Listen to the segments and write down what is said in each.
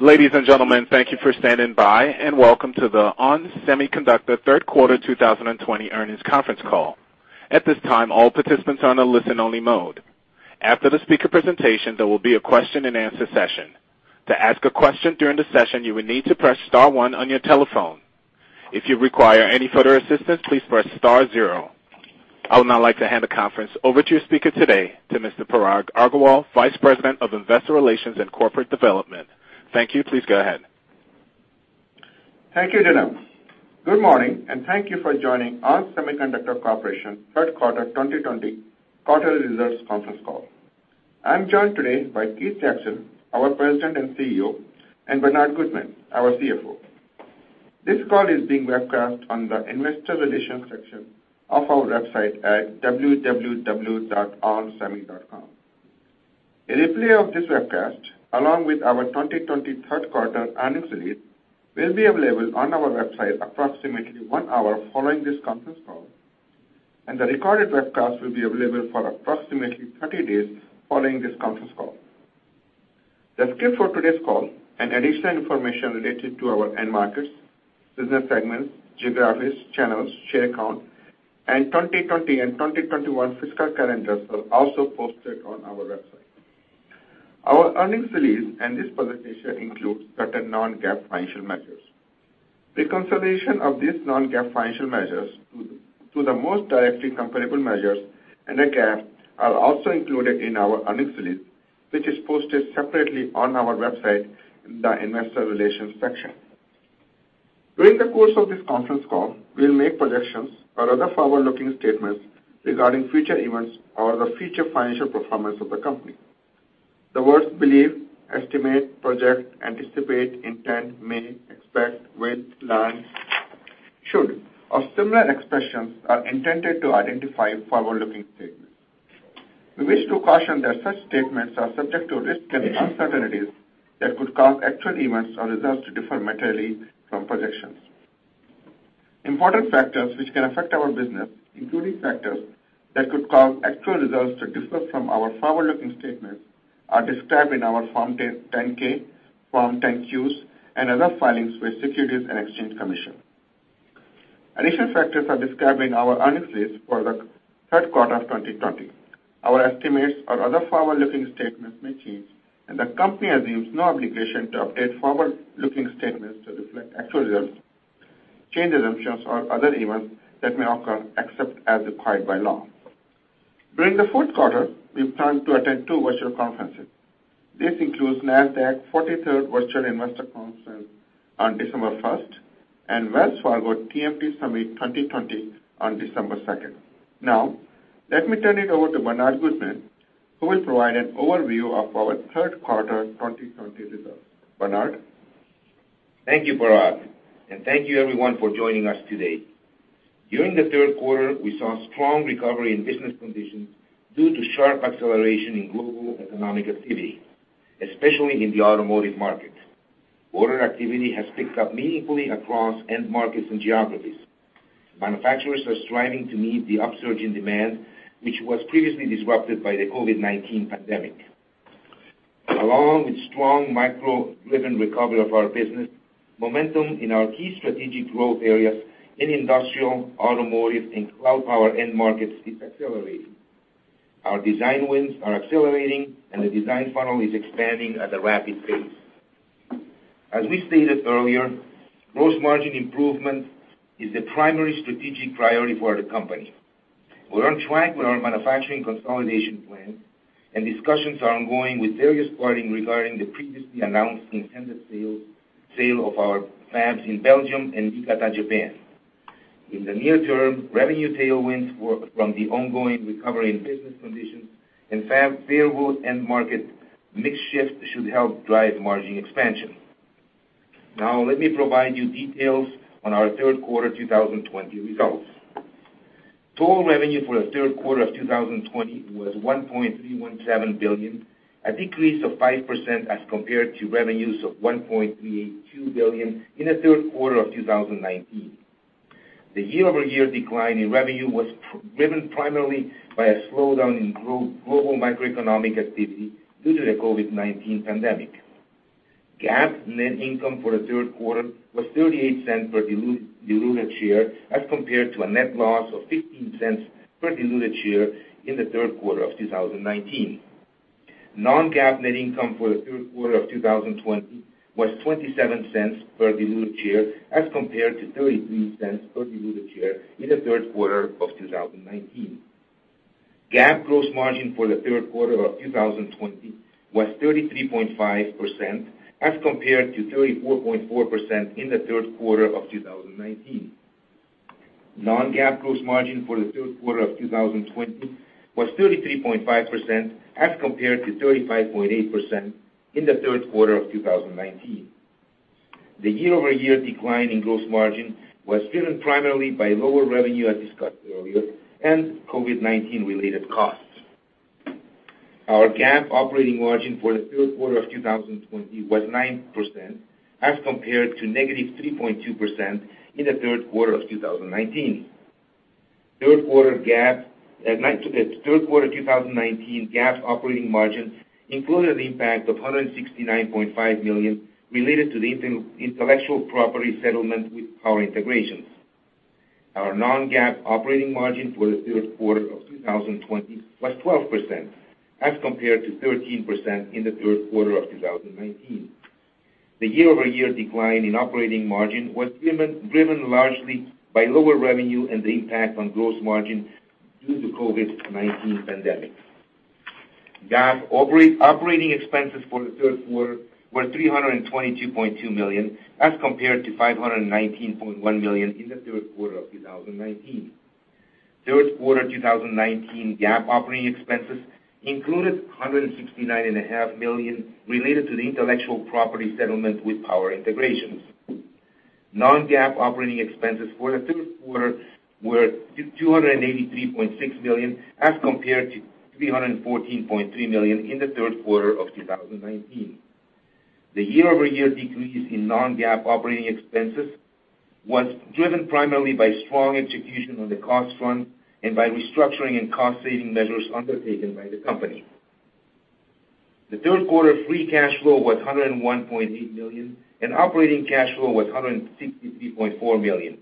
Ladies and gentlemen, thank you for standing by, and welcome to the ON Semiconductor third quarter 2020 earnings conference call. At this time, all participants are on a listen only mode. After the speaker presentation, there will be a question and answer session. To ask a question during the session, you will need to press star one on your telephone. If you require any further assistance, please press star zero. I would now like to hand the conference over to your speaker today, to Mr. Parag Agarwal, Vice President of Investor Relations and Corporate Development. Thank you. Please go ahead. Thank you, Dylan. Good morning, and thank you for joining ON Semiconductor Corporation third quarter 2020 quarterly results conference call. I'm joined today by Keith Jackson, our President and CEO, and Bernard Gutmann, our CFO. This call is being webcast on the Investor Relations section of our website at www.onsemi.com. A replay of this webcast, along with our 2020 third quarter earnings release, will be available on our website approximately one hour following this conference call. The recorded webcast will be available for approximately 30 days following this conference call. The script for today's call and additional information related to our end markets, business segments, geographies, channels, share count, and 2020 and 2021 fiscal calendars are also posted on our website. Our earnings release and this presentation includes certain non-GAAP financial measures. Reconciliation of these non-GAAP financial measures to the most directly comparable measures and GAAP are also included in our earnings release, which is posted separately on our website in the Investor Relations section. During the course of this conference call, we'll make projections or other forward-looking statements regarding future events or the future financial performance of the company. The words believe, estimate, project, anticipate, intend, may, expect, will, plan, should, or similar expressions are intended to identify forward-looking statements. We wish to caution that such statements are subject to risks and uncertainties that could cause actual events or results to differ materially from projections. Important factors which can affect our business, including factors that could cause actual results to differ from our forward-looking statements, are described in our Form 10-K, Form 10-Qs, and other filings with Securities and Exchange Commission. Additional factors are described in our earnings release for the third quarter of 2020. Our estimates or other forward-looking statements may change, and the company assumes no obligation to update forward-looking statements to reflect actual results, changed assumptions or other events that may occur, except as required by law. During the fourth quarter, we plan to attend two virtual conferences. This includes Nasdaq 43rd Virtual Investor Conference on December 1st and Wells Fargo TMT Summit 2020 on December 2nd. Now, let me turn it over to Bernard Gutmann, who will provide an overview of our third quarter 2020 results. Bernard? Thank you, Parag, and thank you everyone for joining us today. During the third quarter, we saw strong recovery in business conditions due to sharp acceleration in global economic activity, especially in the automotive market. Order activity has picked up meaningfully across end markets and geographies. Manufacturers are striving to meet the upsurge in demand, which was previously disrupted by the COVID-19 pandemic. Along with strong micro level recovery of our business, momentum in our key strategic growth areas in industrial, automotive, and cloud power end markets is accelerating. Our design wins are accelerating. The design funnel is expanding at a rapid pace. As we stated earlier, gross margin improvement is the primary strategic priority for the company. We're on track with our manufacturing consolidation plan. Discussions are ongoing with various parties regarding the previously announced intended sale of our fabs in Belgium and Niigata, Japan. In the near term, revenue tailwinds from the ongoing recovery in business conditions and favorable end market mix shift should help drive margin expansion. Now, let me provide you details on our third quarter 2020 results. Total revenue for the third quarter of 2020 was $1.317 billion, a decrease of 5% as compared to revenues of $1.382 billion in the third quarter of 2019. The year-over-year decline in revenue was driven primarily by a slowdown in global macroeconomic activity due to the COVID-19 pandemic. GAAP net income for the third quarter was $0.38 per diluted share as compared to a net loss of $0.15 per diluted share in the third quarter of 2019. Non-GAAP net income for the third quarter of 2020 was $0.27 per diluted share as compared to $0.33 per diluted share in the third quarter of 2019. GAAP gross margin for the third quarter of 2020 was 33.5% as compared to 34.4% in the third quarter of 2019. Non-GAAP gross margin for the third quarter of 2020 was 33.5% as compared to 35.8% in the third quarter of 2019. The year-over-year decline in gross margin was driven primarily by lower revenue, as discussed earlier, and COVID-19 related costs. Our GAAP operating margin for the third quarter of 2020 was 9% as compared to negative 3.2% in the third quarter of 2019. Third quarter 2019 GAAP operating margin included the impact of $169.5 million related to the intellectual property settlement with Power Integrations. Our non-GAAP operating margin for the third quarter of 2020 was 12%, as compared to 13% in the third quarter of 2019. The year-over-year decline in operating margin was driven largely by lower revenue and the impact on gross margin due to COVID-19 pandemic. GAAP operating expenses for the third quarter were $322.2 million, as compared to $519.1 million in the third quarter of 2019. Third quarter 2019 GAAP operating expenses included $169.5 million related to the intellectual property settlement with Power Integrations. Non-GAAP operating expenses for the third quarter were $283.6 million, as compared to $314.3 million in the third quarter of 2019. The year-over-year decrease in non-GAAP operating expenses was driven primarily by strong execution on the cost front and by restructuring and cost-saving measures undertaken by the company. The third quarter free cash flow was $101.8 million, and operating cash flow was $163.4 million.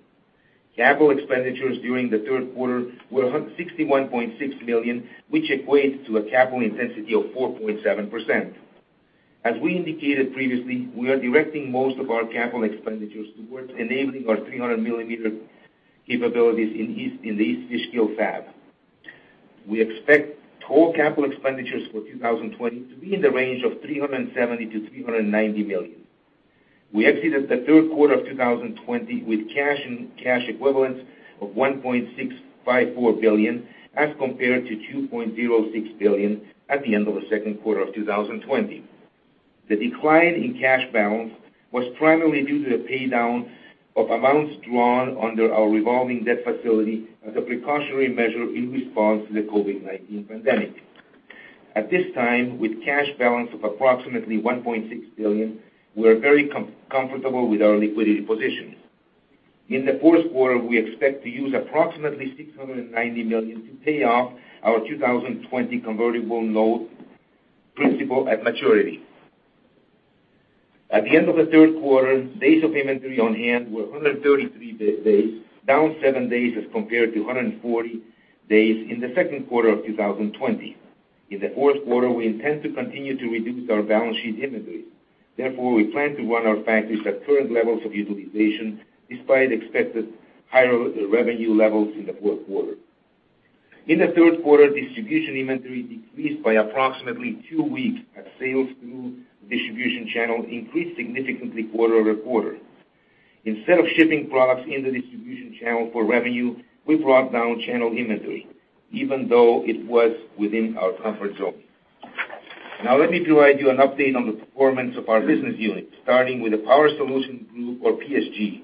Capital expenditures during the third quarter were $61.6 million, which equates to a capital intensity of 4.7%. As we indicated previously, we are directing most of our capital expenditures towards enabling our 300-millimeter capabilities in the East Fishkill fab. We expect total capital expenditures for 2020 to be in the range of $370 million-$390 million. We exited the third quarter of 2020 with cash and cash equivalents of $1.654 billion, as compared to $2.06 billion at the end of the second quarter of 2020. The decline in cash balance was primarily due to the paydown of amounts drawn under our revolving debt facility as a precautionary measure in response to the COVID-19 pandemic. At this time, with cash balance of approximately $1.6 billion, we are very comfortable with our liquidity position. In the fourth quarter, we expect to use approximately $690 million to pay off our 2020 convertible note principal at maturity. At the end of the third quarter, days of inventory on hand were 133 days, down seven days as compared to 140 days in the second quarter of 2020. In the fourth quarter, we intend to continue to reduce our balance sheet inventory. We plan to run our factories at current levels of utilization despite expected higher revenue levels in the fourth quarter. In the third quarter, distribution inventory decreased by approximately two weeks as sales through the distribution channel increased significantly quarter-over-quarter. Instead of shipping products in the distribution channel for revenue, we brought down channel inventory, even though it was within our comfort zone. Let me provide you an update on the performance of our business units, starting with the Power Solutions Group, or PSG.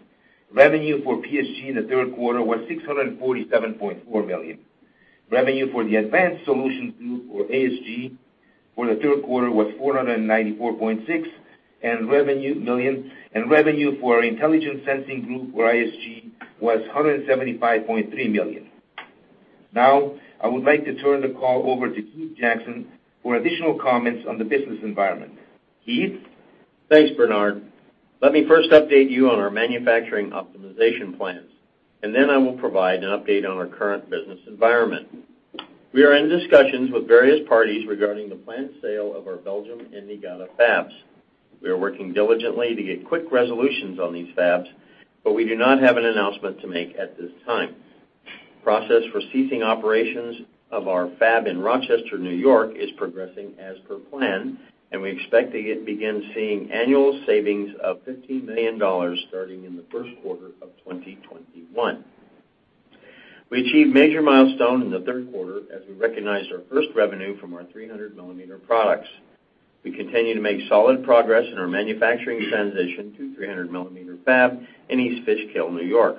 Revenue for PSG in the third quarter was $647.4 million. Revenue for the Advanced Solutions Group, or ASG, for the third quarter was $494.6 million. Revenue for our Intelligent Sensing Group, or ISG, was $175.3 million. Now, I would like to turn the call over to Keith Jackson for additional comments on the business environment. Keith? Thanks, Bernard. Let me first update you on our manufacturing optimization plans. Then I will provide an update on our current business environment. We are in discussions with various parties regarding the planned sale of our Belgium and Niigata fabs. We are working diligently to get quick resolutions on these fabs, but we do not have an announcement to make at this time. Process for ceasing operations of our fab in Rochester, N.Y. is progressing as per plan. We expect to begin seeing annual savings of $15 million starting in the first quarter of 2021. We achieved major milestone in the third quarter as we recognized our first revenue from our 300-millimeter products. We continue to make solid progress in our manufacturing transition to 300-millimeter fab in East Fishkill, N.Y.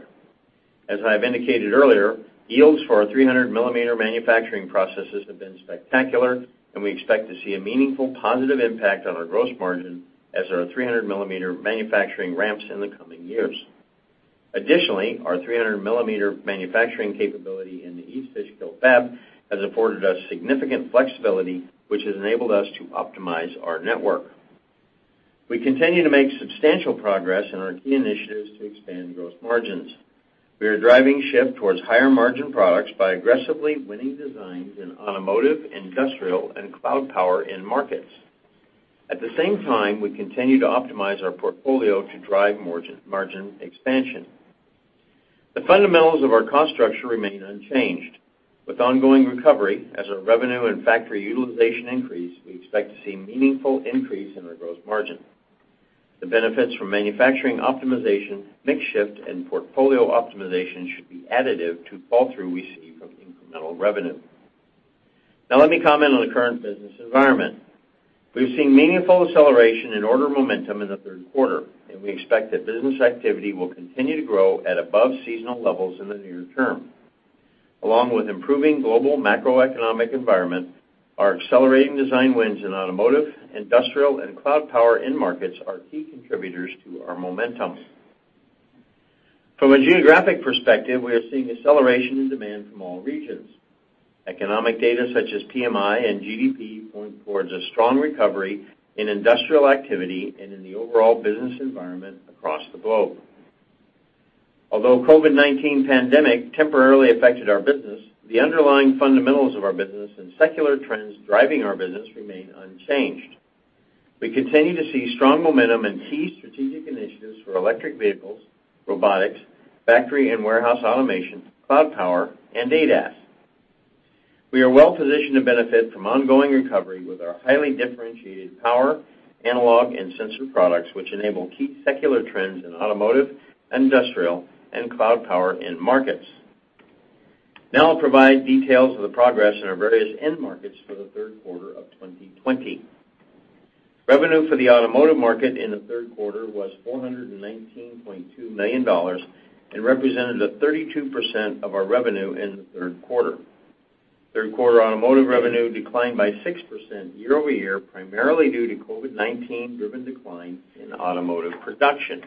As I have indicated earlier, yields for our 300-millimeter manufacturing processes have been spectacular, and we expect to see a meaningful positive impact on our gross margin as our 300-millimeter manufacturing ramps in the coming years. Additionally, our 300-millimeter manufacturing capability in the East Fishkill fab has afforded us significant flexibility, which has enabled us to optimize our network. We continue to make substantial progress in our key initiatives to expand gross margins. We are driving shift towards higher-margin products by aggressively winning designs in automotive, industrial, and cloud power end markets. At the same time, we continue to optimize our portfolio to drive margin expansion. The fundamentals of our cost structure remain unchanged. With ongoing recovery, as our revenue and factory utilization increase, we expect to see meaningful increase in our gross margin. The benefits from manufacturing optimization, mix shift, and portfolio optimization should be additive to fall-through we see from incremental revenue. Let me comment on the current business environment. We've seen meaningful acceleration in order momentum in the third quarter, and we expect that business activity will continue to grow at above seasonal levels in the near term. Along with improving global macroeconomic environment, our accelerating design wins in automotive, industrial, and cloud power end markets are key contributors to our momentum. From a geographic perspective, we are seeing acceleration in demand from all regions. Economic data such as PMI and GDP point towards a strong recovery in industrial activity and in the overall business environment across the globe. COVID-19 pandemic temporarily affected our business, the underlying fundamentals of our business and secular trends driving our business remain unchanged. We continue to see strong momentum in key strategic initiatives for electric vehicles, robotics, factory and warehouse automation, cloud power, and ADAS. We are well-positioned to benefit from ongoing recovery with our highly differentiated power, analog, and sensor products, which enable key secular trends in automotive, industrial, and cloud power end markets. Now I'll provide details of the progress in our various end markets for the third quarter of 2020. Revenue for the automotive market in the third quarter was $419.2 million and represented 32% of our revenue in the third quarter. Third quarter automotive revenue declined by 6% year-over-year, primarily due to COVID-19-driven declines in automotive production.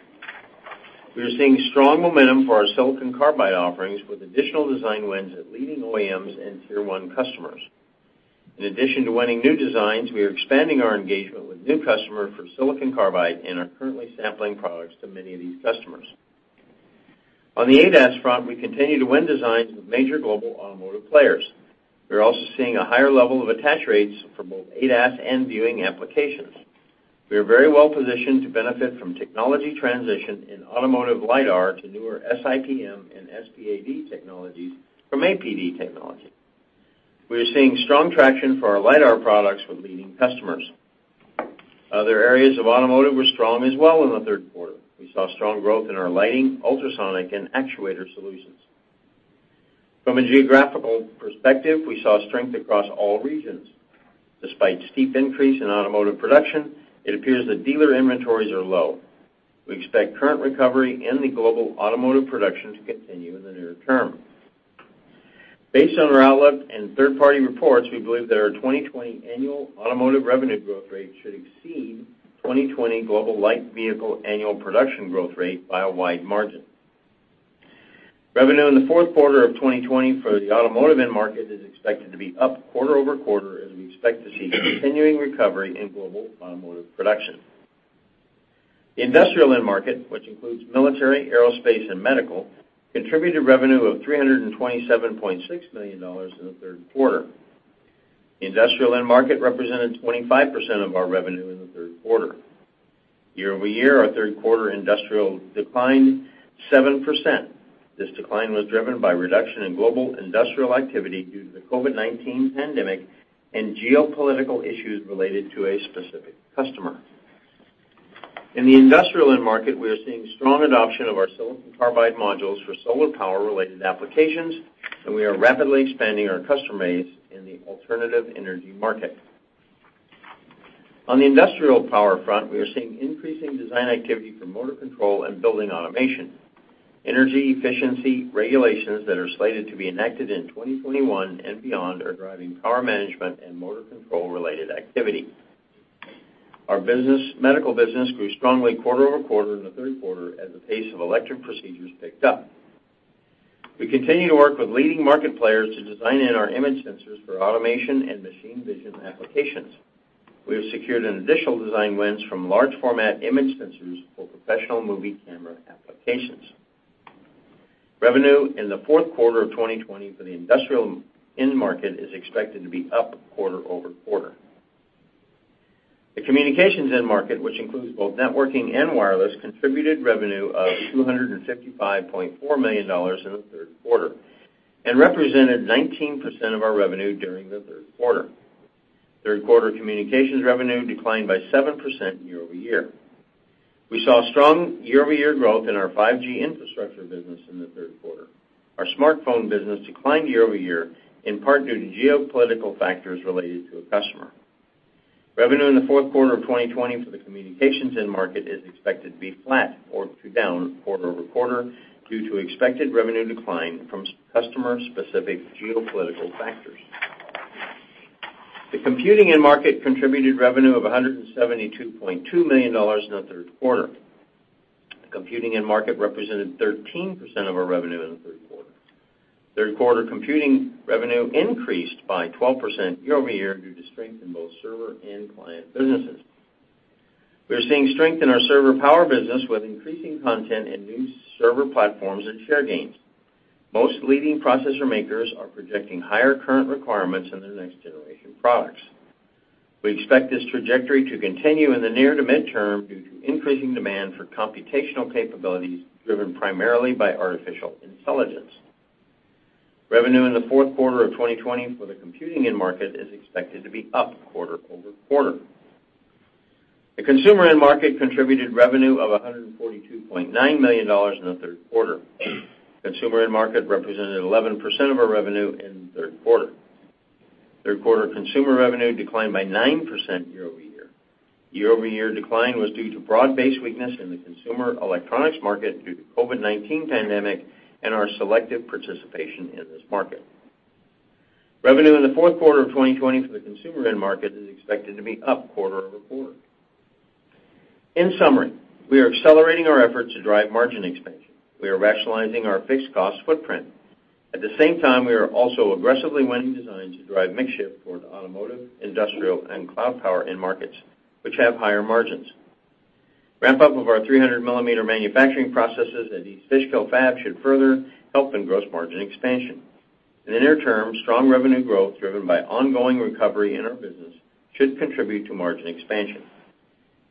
We are seeing strong momentum for our silicon carbide offerings, with additional design wins at leading OEMs and tier-one customers. In addition to winning new designs, we are expanding our engagement with new customers for silicon carbide and are currently sampling products to many of these customers. On the ADAS front, we continue to win designs with major global automotive players. We are also seeing a higher level of attach rates for both ADAS and viewing applications. We are very well positioned to benefit from technology transition in automotive LiDAR to newer SiPM and SPAD technologies from APD technology. We are seeing strong traction for our LiDAR products with leading customers. Other areas of automotive were strong as well in the third quarter. We saw strong growth in our lighting, ultrasonic, and actuator solutions. From a geographical perspective, we saw strength across all regions. Despite steep increase in automotive production, it appears that dealer inventories are low. We expect current recovery in the global automotive production to continue in the near term. Based on our outlook and third-party reports, we believe that our 2020 annual automotive revenue growth rate should exceed 2020 global light vehicle annual production growth rate by a wide margin. Revenue in the fourth quarter of 2020 for the automotive end market is expected to be up quarter-over-quarter as we expect to see continuing recovery in global automotive production. The industrial end market, which includes military, aerospace, and medical, contributed revenue of $327.6 million in the third quarter. The industrial end market represented 25% of our revenue in the third quarter. Year-over-year, our third quarter industrial declined 7%. This decline was driven by reduction in global industrial activity due to the COVID-19 pandemic and geopolitical issues related to a specific customer. In the industrial end market, we are seeing strong adoption of our silicon carbide modules for solar power-related applications, and we are rapidly expanding our customer base in the alternative energy market. On the industrial power front, we are seeing increasing design activity for motor control and building automation. Energy efficiency regulations that are slated to be enacted in 2021 and beyond are driving power management and motor control-related activity. Our medical business grew strongly quarter-over-quarter in the third quarter as the pace of elective procedures picked up. We continue to work with leading market players to design in our image sensors for automation and machine vision applications. We have secured an additional design wins from large format image sensors for professional movie camera applications. Revenue in the fourth quarter of 2020 for the industrial end market is expected to be up quarter-over-quarter. The communications end market, which includes both networking and wireless, contributed revenue of $255.4 million in the third quarter and represented 19% of our revenue during the third quarter. Third quarter communications revenue declined by 7% year-over-year. We saw strong year-over-year growth in our 5G infrastructure business in the third quarter. Our smartphone business declined year-over-year in part due to geopolitical factors related to a customer. Revenue in the fourth quarter of 2020 for the communications end market is expected to be flat or to down quarter-over-quarter due to expected revenue decline from customer-specific geopolitical factors. The computing end market contributed revenue of $172.2 million in the third quarter. The computing end market represented 13% of our revenue in the third quarter. Third quarter computing revenue increased by 12% year-over-year due to strength in both server and client businesses. We are seeing strength in our server power business with increasing content in new server platforms and share gains. Most leading processor makers are projecting higher current requirements in their next generation products. We expect this trajectory to continue in the near to mid-term due to increasing demand for computational capabilities driven primarily by artificial intelligence. Revenue in the fourth quarter of 2020 for the computing end market is expected to be up quarter-over-quarter. The consumer end market contributed revenue of $142.9 million in the third quarter. Consumer end market represented 11% of our revenue in the third quarter. Third quarter consumer revenue declined by 9% year-over-year. Year-over-year decline was due to broad-based weakness in the consumer electronics market due to COVID-19 pandemic and our selective participation in this market. Revenue in the fourth quarter of 2020 for the consumer end market is expected to be up quarter-over-quarter. In summary, we are accelerating our efforts to drive margin expansion. We are rationalizing our fixed cost footprint. At the same time, we are also aggressively winning designs to drive mix shift toward automotive, industrial, and cloud power end markets, which have higher margins. Ramp-up of our 300-millimeter manufacturing processes at East Fishkill fab should further help in gross margin expansion. In the near term, strong revenue growth driven by ongoing recovery in our business should contribute to margin expansion.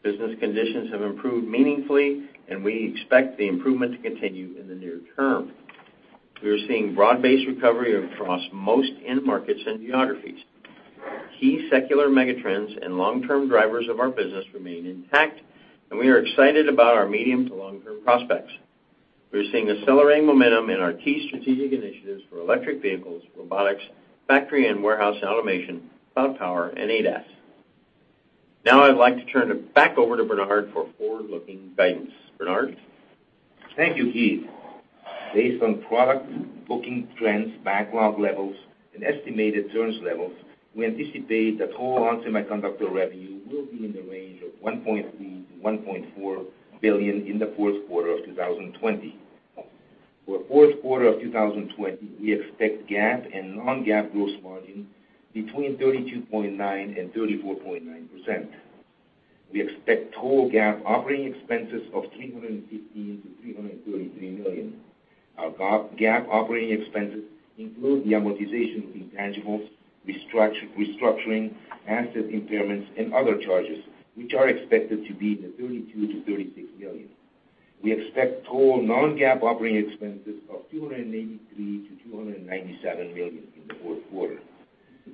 Business conditions have improved meaningfully, and we expect the improvement to continue in the near term. We are seeing broad-based recovery across most end markets and geographies. Key secular megatrends and long-term drivers of our business remain intact. We are excited about our medium to long-term prospects. We are seeing accelerating momentum in our key strategic initiatives for electric vehicles, robotics, factory and warehouse automation, cloud power, and ADAS. I'd like to turn it back over to Bernard for forward-looking guidance. Bernard? Thank you, Keith. Based on product booking trends, backlog levels, and estimated turns levels, we anticipate that total ON Semiconductor revenue will be in the range of $1.3 billion-$1.4 billion in the fourth quarter of 2020. For fourth quarter of 2020, we expect GAAP and non-GAAP gross margin between 32.9% and 34.9%. We expect total GAAP operating expenses of $315 million-$333 million. Our GAAP operating expenses include the amortization of intangibles, restructuring, asset impairments, and other charges, which are expected to be in the $32 million-$36 million. We expect total non-GAAP operating expenses of $283 million-$297 million in the fourth quarter.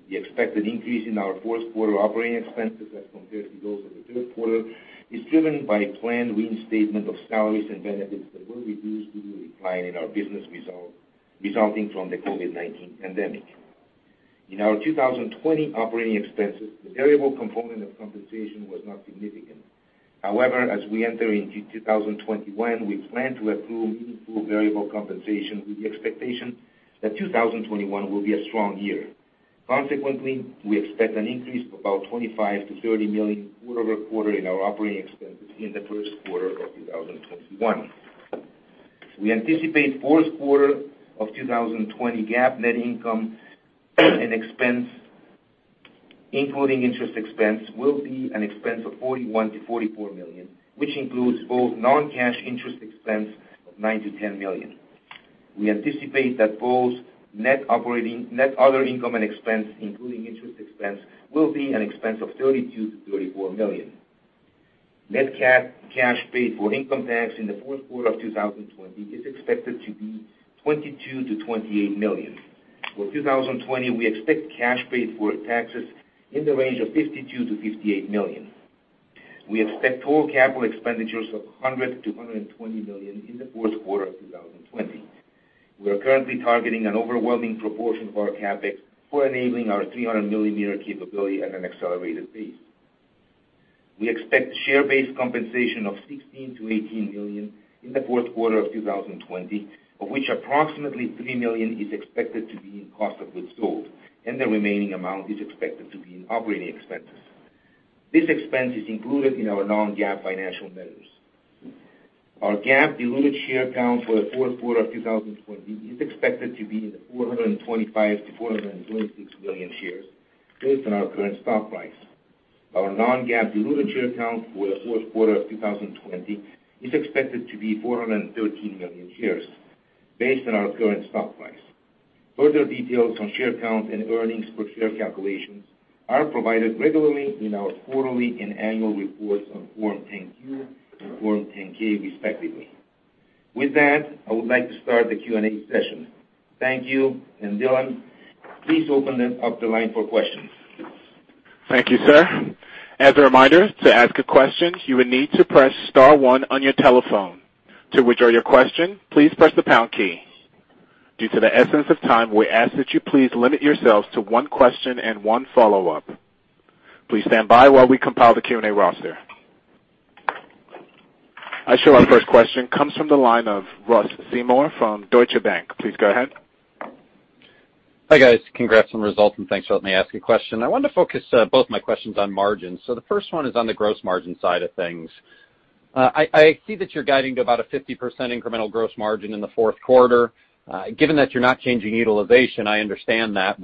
The expected increase in our fourth quarter operating expenses as compared to those of the third quarter is driven by a planned reinstatement of salaries and benefits that were reduced due to decline in our business resulting from the COVID-19 pandemic. In our 2020 operating expenses, the variable component of compensation was not significant. However, as we enter into 2021, we plan to accrue meaningful variable compensation with the expectation that 2021 will be a strong year. Consequently, we expect an increase of about $25 million-$30 million quarter-over-quarter in our operating expenses in the first quarter of 2021. We anticipate fourth quarter of 2020 GAAP net income and expense, including interest expense, will be an expense of $41 million-$44 million, which includes both non-cash interest expense of $9 million-$10 million. We anticipate that both net other income and expense, including interest expense, will be an expense of $32 million-$34 million. Net cash paid for income tax in the fourth quarter of 2020 is expected to be $22 million-$28 million. For 2020, we expect cash paid for taxes in the range of $52 million-$58 million. We expect total capital expenditures of $100 million-$120 million in the fourth quarter of 2020. We are currently targeting an overwhelming proportion of our CapEx for enabling our 300-millimeter capability at an accelerated pace. We expect share-based compensation of $16 million-$18 million in the fourth quarter of 2020, of which approximately $3 million is expected to be in cost of goods sold and the remaining amount is expected to be in operating expenses. This expense is included in our non-GAAP financial measures. Our GAAP diluted share count for the fourth quarter of 2020 is expected to be 425 million-426 million shares based on our current stock price. Our non-GAAP diluted share count for the fourth quarter of 2020 is expected to be 413 million shares based on our current stock price. Further details on share count and earnings per share calculations are provided regularly in our quarterly and annual reports on Form 10-Q and Form 10-K, respectively. With that, I would like to start the Q&A session. Thank you, and Dylan, please open up the line for questions. Thank you, sir. As a reminder, to ask a question, you will need to press star one on your telephone. To withdraw your question, please press the pound key. Due to the essence of time, we ask that you please limit yourselves to one question and one follow-up. Please stand by while we compile the Q&A roster. I show our first question comes from the line of Ross Seymore from Deutsche Bank. Please go ahead. Hi, guys. Congrats on the results, and thanks for letting me ask a question. I wanted to focus both my questions on margins. The first one is on the gross margin side of things. I see that you're guiding to about a 50% incremental gross margin in the fourth quarter. Given that you're not changing utilization, I understand that.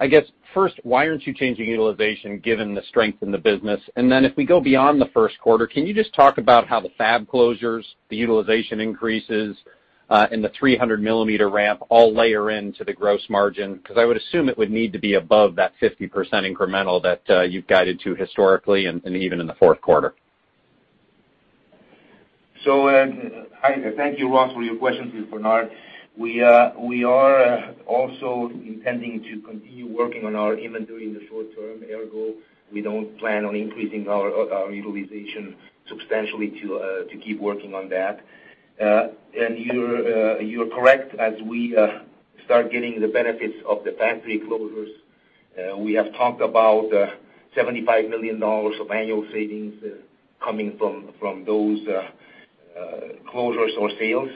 I guess first, why aren't you changing utilization given the strength in the business? Then if we go beyond the first quarter, can you just talk about how the fab closures, the utilization increases, and the 300-millimeter ramp all layer into the gross margin? I would assume it would need to be above that 50% incremental that you've guided to historically and even in the fourth quarter. Thank you, Ross, for your question. This is Bernard. We are also intending to continue working on our inventory in the short term. Ergo, we don't plan on increasing our utilization substantially to keep working on that. You're correct as we start getting the benefits of the factory closures. We have talked about $75 million of annual savings coming from those closures or sales.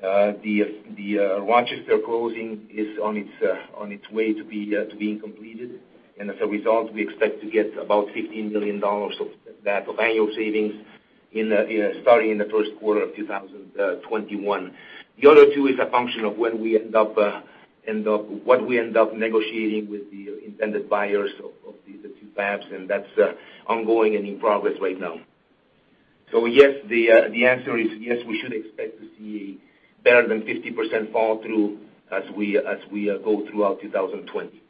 The Rochester closing is on its way to being completed, and as a result, we expect to get about $15 million of annual savings starting in the first quarter of 2021. The other two is a function of what we end up negotiating with the intended buyers of these two fabs, and that's ongoing and in progress right now. Yes, the answer is yes, we should expect to see better than 50% fall through as we go throughout 2020.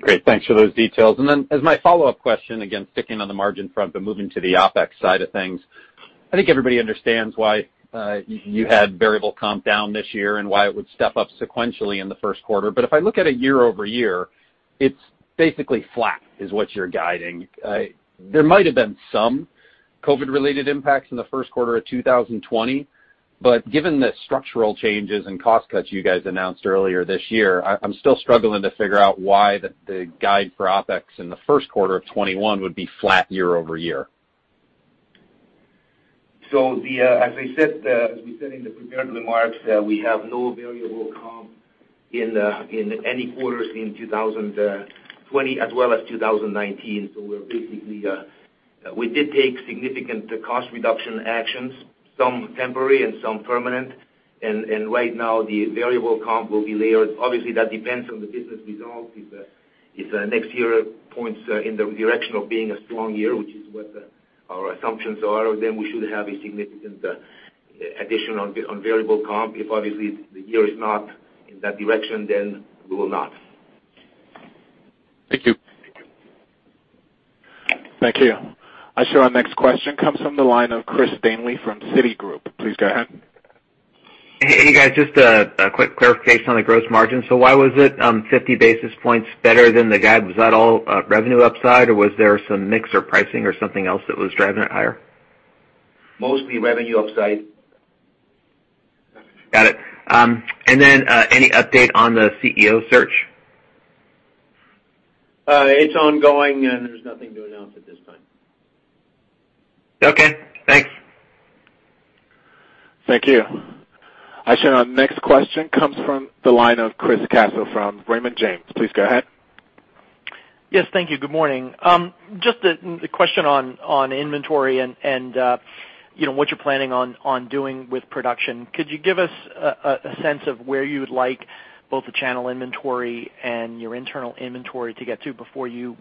Great. Thanks for those details. As my follow-up question, again, sticking on the margin front but moving to the OpEx side of things, I think everybody understands why you had variable comp down this year and why it would step up sequentially in the first quarter. If I look at it year-over-year, it's basically flat is what you're guiding. There might have been some COVID-19-related impacts in the first quarter of 2020, but given the structural changes and cost cuts you guys announced earlier this year, I'm still struggling to figure out why the guide for OpEx in the first quarter of 2021 would be flat year-over-year. As we said in the prepared remarks, we have no variable comp in any quarters in 2020 as well as 2019. We did take significant cost reduction actions, some temporary and some permanent, and right now the variable comp will be layered. Obviously, that depends on the business results. If next year points in the direction of being a strong year, which is what our assumptions are, then we should have a significant addition on variable comp. If obviously the year is not in that direction, then we will not. Thank you. Thank you. I show our next question comes from the line of Chris Danely from Citigroup. Please go ahead. Hey, guys, just a quick clarification on the gross margin. Why was it 50 basis points better than the guide? Was that all revenue upside, or was there some mix or pricing or something else that was driving it higher? Mostly revenue upside. Got it. Any update on the CEO search? It's ongoing, and there's nothing to announce at this time. Okay, thanks. Thank you. I show our next question comes from the line of Chris Caso from Raymond James. Please go ahead. Yes, thank you. Good morning. Just a question on inventory and what you're planning on doing with production. Could you give us a sense of where you would like both the channel inventory and your internal inventory to get to before you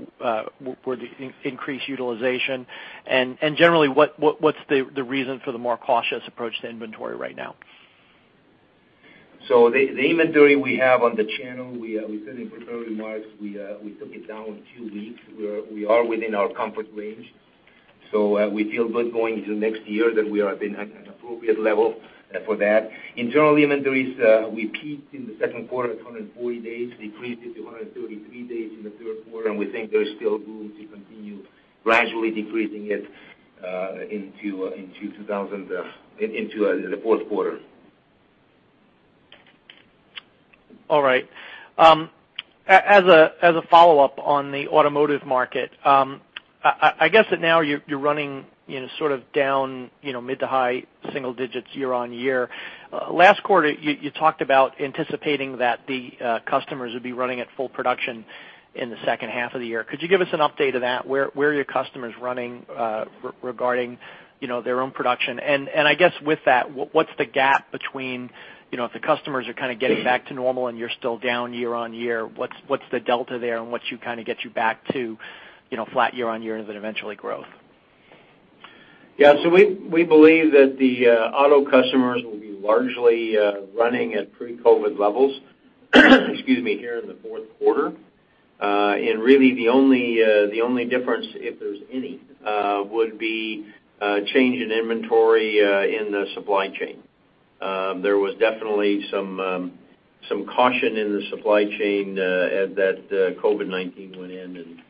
increase utilization? Generally, what's the reason for the more cautious approach to inventory right now? The inventory we have on the channel, we said in prepared remarks, we took it down two weeks. We are within our comfort range, so we feel good going into next year that we are at an appropriate level for that. Internal inventories, we peaked in the second quarter at 140 days, decreased it to 133 days in the third quarter, and we think there's still room to continue gradually decreasing it into the fourth quarter. All right. As a follow-up on the automotive market, I guess that now you're running sort of down mid-to-high single digits year-over-year. Last quarter, you talked about anticipating that the customers would be running at full production in the second half of the year. Could you give us an update of that? Where are your customers running regarding their own production? I guess with that, what's the gap between if the customers are kind of getting back to normal and you're still down year-over-year, what's the delta there and what should kind of get you back to flat year-over-year and then eventually growth? Yeah. We believe that the auto customers will be largely running at pre-COVID levels here in the fourth quarter. Really the only difference, if there's any, would be change in inventory in the supply chain. There was definitely some caution in the supply chain as that COVID-19 went in,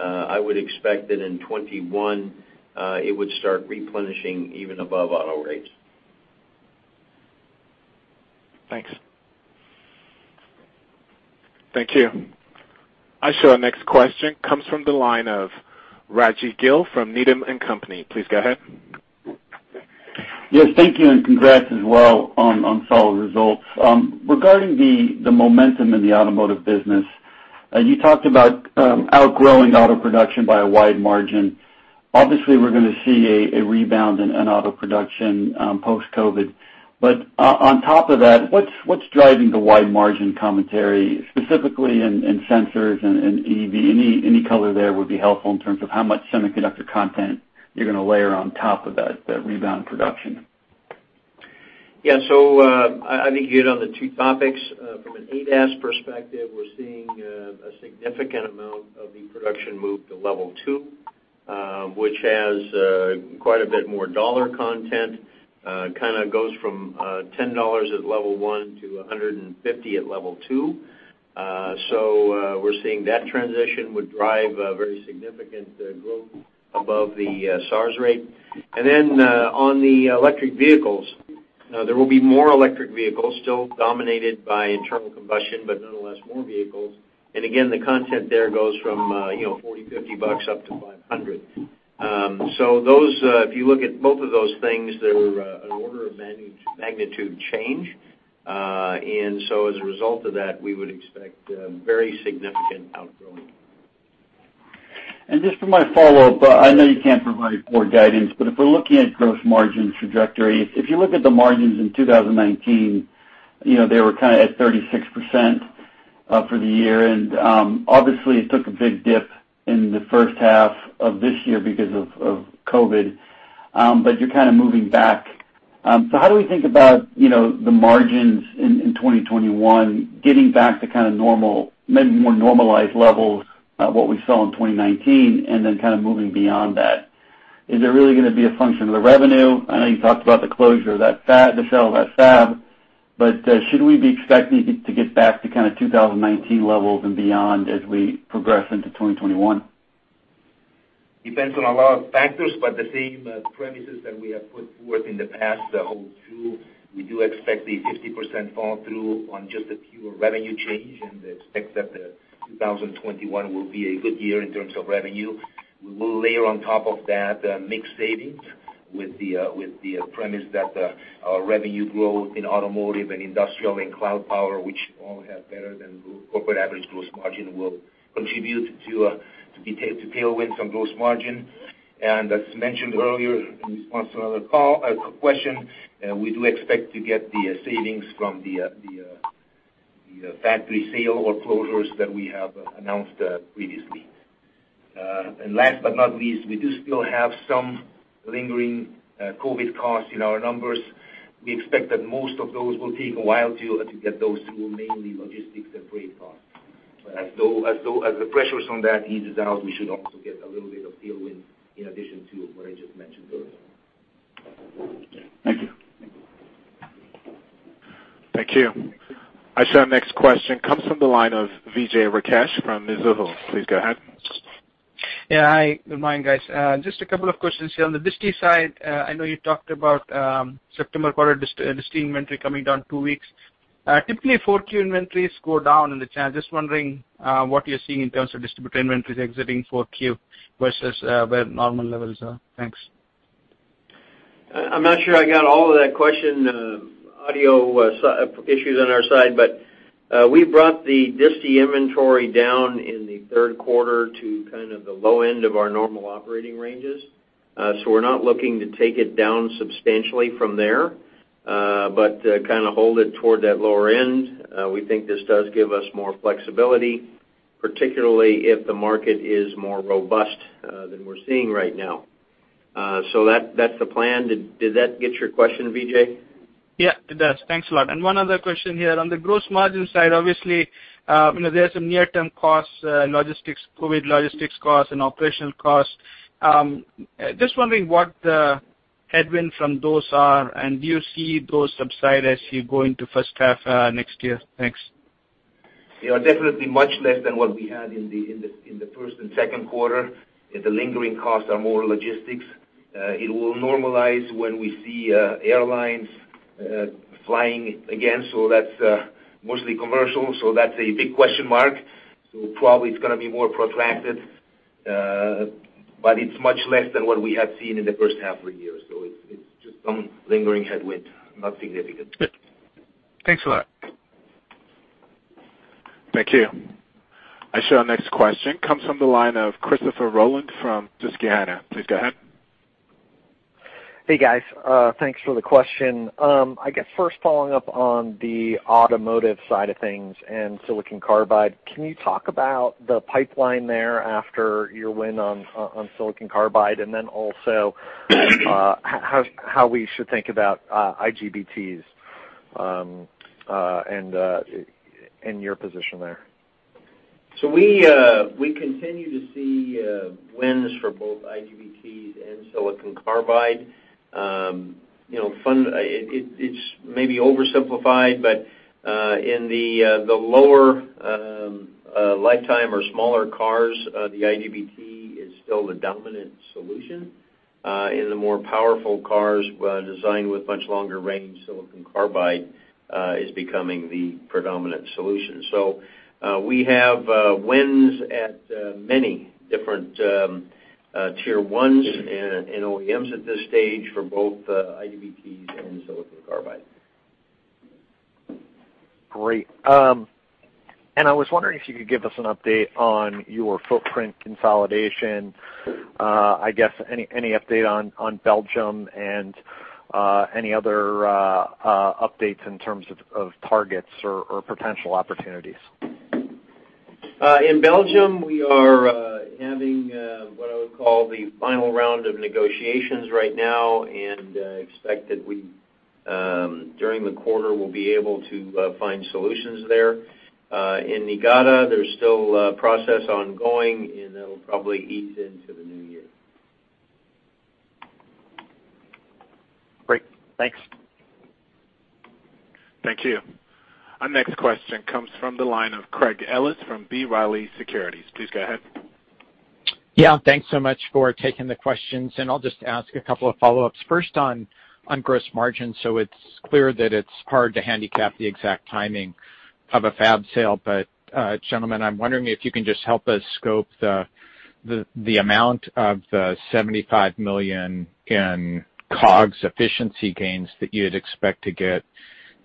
I would expect that in 2021 it would start replenishing even above auto rates. Thanks. Thank you. I show our next question comes from the line of Rajvindra Gill from Needham & Company. Please go ahead. Yes. Thank you. Congrats as well on solid results. Regarding the momentum in the automotive business, you talked about outgrowing auto production by a wide margin. Obviously, we're going to see a rebound in auto production post-COVID. On top of that, what's driving the wide margin commentary, specifically in sensors and EV? Any color there would be helpful in terms of how much semiconductor content you're going to layer on top of that rebound production. Yeah. I think you hit on the two topics. From an ADAS perspective, we're seeing a significant amount of the production move to level 2, which has quite a bit more dollar content. Kind of goes from $10 at level 1 to $150 at level 2. We're seeing that transition would drive a very significant growth above the SAAR rate. On the electric vehicles. Now there will be more electric vehicles still dominated by internal combustion, but nonetheless more vehicles. Again, the content there goes from $40, $50 up to $500. If you look at both of those things, they're an order of magnitude change. As a result of that, we would expect very significant outgrowing. Just for my follow-up, I know you can't provide forward guidance, if we're looking at gross margin trajectory, if you look at the margins in 2019, they were kind of at 36% for the year, and obviously it took a big dip in the first half of this year because of COVID-19. You're kind of moving back. How do we think about the margins in 2021 getting back to kind of normal, maybe more normalized levels of what we saw in 2019 and then kind of moving beyond that? Is it really going to be a function of the revenue? I know you talked about the sale of that fab, but should we be expecting to get back to kind of 2019 levels and beyond as we progress into 2021? Depends on a lot of factors, but the same premises that we have put forth in the past hold true. We do expect the 50% fall through on just a pure revenue change and expect that 2021 will be a good year in terms of revenue. We will layer on top of that mix savings with the premise that our revenue growth in automotive and industrial and cloud power, which all have better than corporate average gross margin, will contribute to tailwind some gross margin. As mentioned earlier in response to another question, we do expect to get the savings from the factory sale or closures that we have announced previously. Last but not least, we do still have some lingering COVID costs in our numbers. We expect that most of those will take a while to get those through, mainly logistics and freight costs. As the pressures on that eases out, we should also get a little bit of tailwind in addition to what I just mentioned earlier. Thank you. Thank you. I see our next question comes from the line of Vijay Rakesh from Mizuho. Please go ahead. Yeah. Hi. Good morning, guys. Just a couple of questions here. On the disty side, I know you talked about September quarter disty inventory coming down two weeks. Typically, 4Q inventories go down in the channel. Just wondering what you're seeing in terms of distributor inventories exiting 4Q versus where normal levels are. Thanks. I'm not sure I got all of that question, audio issues on our side, but we brought the disty inventory down in the third quarter to kind of the low end of our normal operating ranges. We're not looking to take it down substantially from there, but kind of hold it toward that lower end. We think this does give us more flexibility, particularly if the market is more robust, than we're seeing right now. That's the plan. Did that get your question, Vijay? Yeah, it does. Thanks a lot. One other question here, on the gross margin side, obviously, there's some near-term costs, COVID logistics costs and operational costs. Just wondering what the headwind from those are and do you see those subside as you go into first half, next year? Thanks. They are definitely much less than what we had in the first and second quarter, and the lingering costs are more logistics. It will normalize when we see airlines flying again, so that's mostly commercial, so that's a big question mark. Probably it's going to be more protracted, but it's much less than what we have seen in the first half of the year, so it's just some lingering headwind, not significant. Thanks a lot. Thank you. I see our next question comes from the line of Christopher Rolland from Susquehanna. Please go ahead. Hey, guys. Thanks for the question. I guess first following up on the automotive side of things and silicon carbide, can you talk about the pipeline there after your win on silicon carbide, then also how we should think about IGBTs, and your position there? We continue to see wins for both IGBTs and silicon carbide. It's maybe oversimplified, but in the lower lifetime or smaller cars, the IGBT is still the dominant solution. In the more powerful cars designed with much longer range, silicon carbide is becoming the predominant solution. We have wins at many different tier 1s and OEMs at this stage for both IGBTs and silicon carbide. Great. I was wondering if you could give us an update on your footprint consolidation. I guess any update on Belgium and any other updates in terms of targets or potential opportunities? In Belgium, we are having what I would call the final round of negotiations right now, and I expect that during the quarter, we'll be able to find solutions there. In Niigata, there's still a process ongoing, and that'll probably ease into the new year. Great. Thanks. Thank you. Our next question comes from the line of Craig Ellis from B. Riley Securities. Please go ahead. Yeah. Thanks so much for taking the questions, and I'll just ask a couple of follow-ups. First on gross margin. It's clear that it's hard to handicap the exact timing of a fab sale, but, gentlemen, I'm wondering if you can just help us scope the amount of the $75 million in COGS efficiency gains that you'd expect to get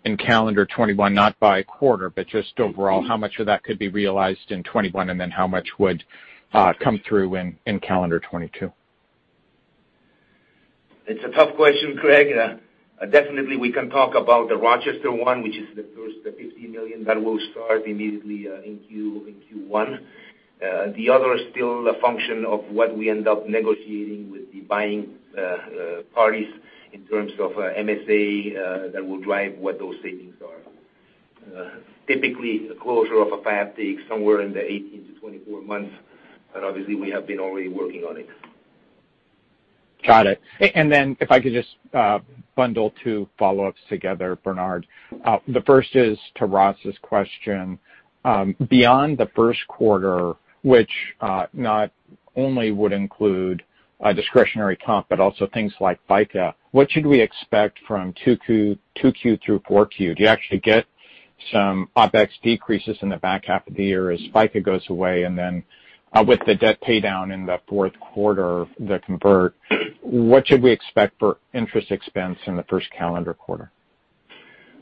in calendar 2021, not by quarter, but just overall, how much of that could be realized in 2021 and then how much would come through in calendar 2022? It's a tough question, Craig. Definitely we can talk about the Rochester one, which is the first, the $15 million that will start immediately in Q1. The other is still a function of what we end up negotiating with the buying parties in terms of MSA, that will drive what those savings are. Typically, the closure of a fab takes somewhere in the 18 to 24 months, but obviously we have been already working on it. Got it. If I could just bundle two follow-ups together, Bernard. The first is to Ross's question. Beyond the first quarter, which not only would include a discretionary comp, but also things like FICA, what should we expect from 2Q through 4Q? Do you actually get some OpEx decreases in the back half of the year as FICA goes away? With the debt paydown in the fourth quarter, the convert, what should we expect for interest expense in the first calendar quarter?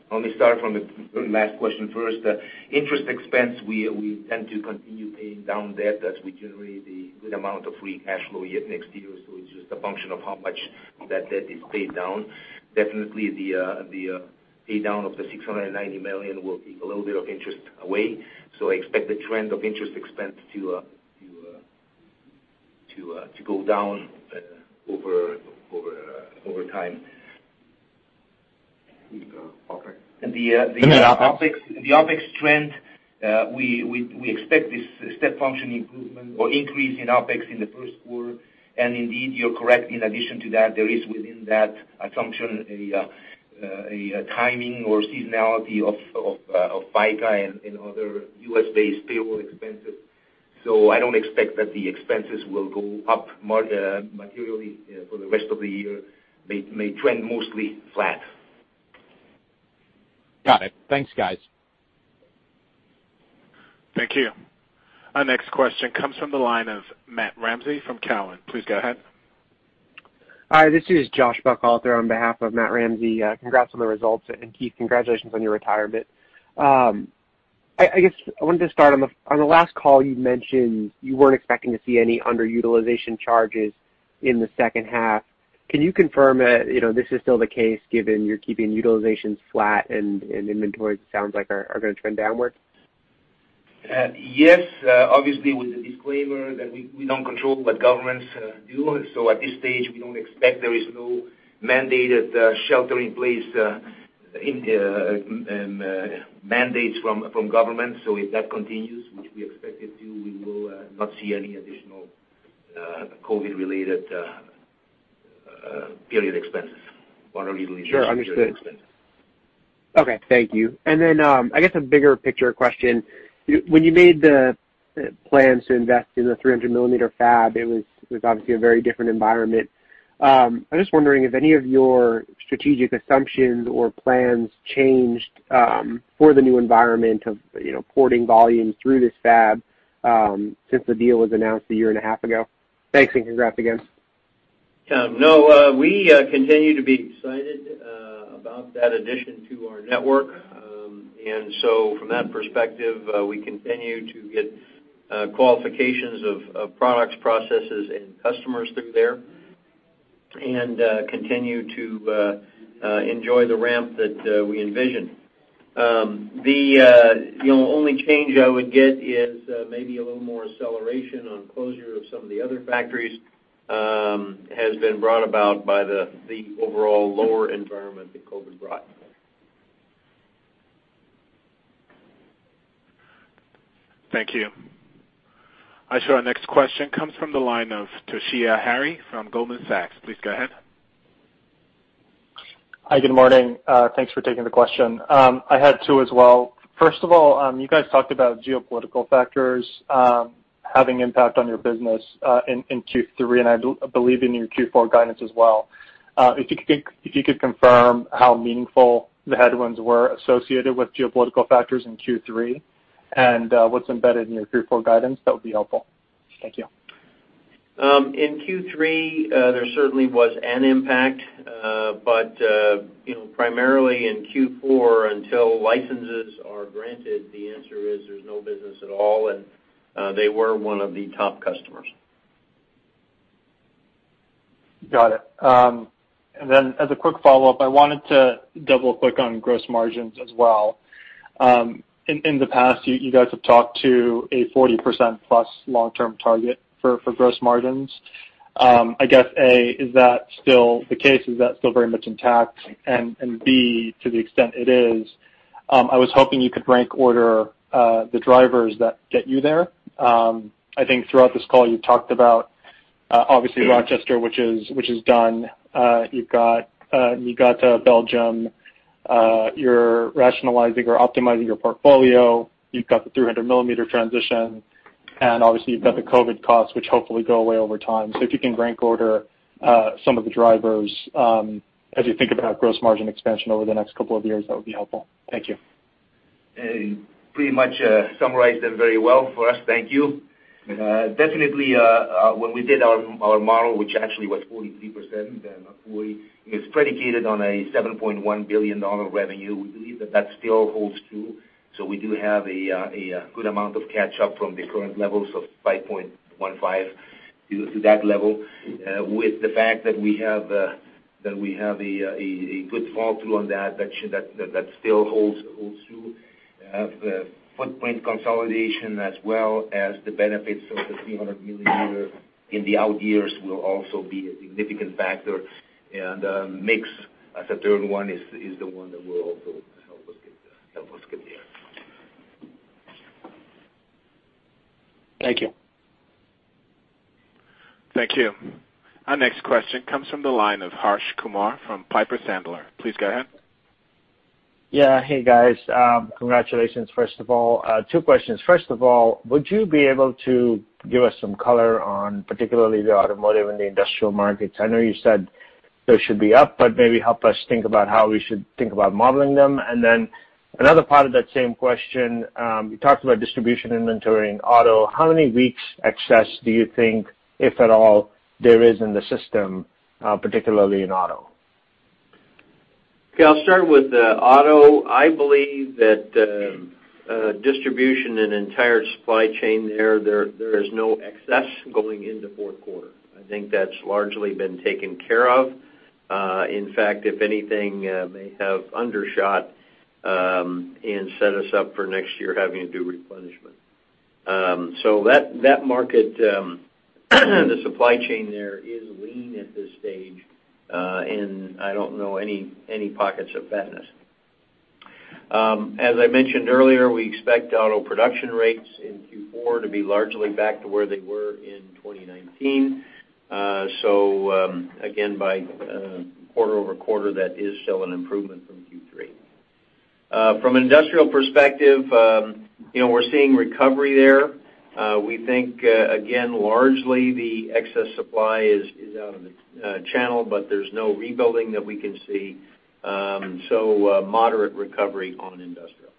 Let me start from the last question first. Interest expense, we tend to continue paying down debt as we generate the good amount of free cash flow yet next year. It's just a function of how much of that debt is paid down. Definitely the pay down of the $690 million will take a little bit of interest away. Expect the trend of interest expense to go down over time. The OpEx. The OpEx trend, we expect this step function improvement or increase in OpEx in the first quarter. Indeed, you're correct. In addition to that, there is within that assumption, the timing or seasonality of FICA and other U.S.-based payroll expenses. I don't expect that the expenses will go up materially for the rest of the year. May trend mostly flat. Got it. Thanks, guys. Thank you. Our next question comes from the line of Matt Ramsay from Cowen. Please go ahead. Hi, this is Joshua Buchalter on behalf of Matt Ramsay. Congrats on the results. Keith, congratulations on your retirement. I guess I wanted to start on the last call you mentioned you weren't expecting to see any underutilization charges in the second half. Can you confirm that this is still the case given you're keeping utilizations flat and inventories sounds like are going to trend downwards? Yes. Obviously with the disclaimer that we don't control what governments do. At this stage, we don't expect there is no mandated shelter in place mandates from government. If that continues, which we expect it to, we will not see any additional COVID-related period expenses or utilization. Sure. Understood. Okay, thank you. I guess a bigger picture question. When you made the plans to invest in the 300-millimeter fab, it was obviously a very different environment. I'm just wondering if any of your strategic assumptions or plans changed for the new environment of porting volume through this fab, since the deal was announced a year and a half ago. Thanks, and congrats again. No, we continue to be excited about that addition to our network. From that perspective, we continue to get qualifications of products, processes, and customers through there and continue to enjoy the ramp that we envisioned. The only change I would get is maybe a little more acceleration on closure of some of the other factories, has been brought about by the overall lower environment that COVID brought. Thank you. I show our next question comes from the line of Toshiya Hari from Goldman Sachs. Please go ahead. Hi, good morning. Thanks for taking the question. I had two as well. First of all, you guys talked about geopolitical factors having impact on your business in Q3, and I believe in your Q4 guidance as well. If you could confirm how meaningful the headwinds were associated with geopolitical factors in Q3 and what's embedded in your Q4 guidance, that would be helpful. Thank you. In Q3, there certainly was an impact. Primarily in Q4, until licenses are granted, the answer is there's no business at all, and they were one of the top customers. Got it. Then as a quick follow-up, I wanted to double-click on gross margins as well. In the past, you guys have talked to a 40%+ long-term target for gross margins. I guess, A, is that still the case? Is that still very much intact? B, to the extent it is, I was hoping you could rank order the drivers that get you there. I think throughout this call, you talked about, obviously, Rochester, which is done. You've got Belgium. You're rationalizing or optimizing your portfolio. You've got the 300-millimeter transition, and obviously you've got the COVID-19 costs, which hopefully go away over time. If you can rank order some of the drivers as you think about gross margin expansion over the next couple of years, that would be helpful. Thank you. You pretty much summarized them very well for us. Thank you. When we did our model, which actually was 43%, it's predicated on a $7.1 billion revenue. We believe that that still holds true. We do have a good amount of catch-up from the current levels of $5.15 to that level. With the fact that we have a good fall through on that still holds true. The footprint consolidation as well as the benefits of the 300-millimeter in the out years will also be a significant factor. Mix, as a third one, is the one that will also help us get there. Thank you. Thank you. Our next question comes from the line of Harsh Kumar from Piper Sandler. Please go ahead. Yeah. Hey, guys. Congratulations, first of all. Two questions. First of all, would you be able to give us some color on particularly the automotive and the industrial markets? I know you said those should be up, but maybe help us think about how we should think about modeling them. Then another part of that same question, you talked about distribution inventory in auto. How many weeks excess do you think, if at all, there is in the system, particularly in auto? Okay. I'll start with auto. I believe that distribution and entire supply chain there is no excess going into fourth quarter. I think that's largely been taken care of. In fact, if anything, may have undershot and set us up for next year having to do replenishment. That market, the supply chain there is lean at this stage. I don't know any pockets of fatness. As I mentioned earlier, we expect auto production rates in Q4 to be largely back to where they were in 2019. Again, by quarter-over-quarter, that is still an improvement from Q3. From an industrial perspective, we're seeing recovery there. We think, again, largely the excess supply is out of the channel, but there's no rebuilding that we can see. Moderate recovery on industrial.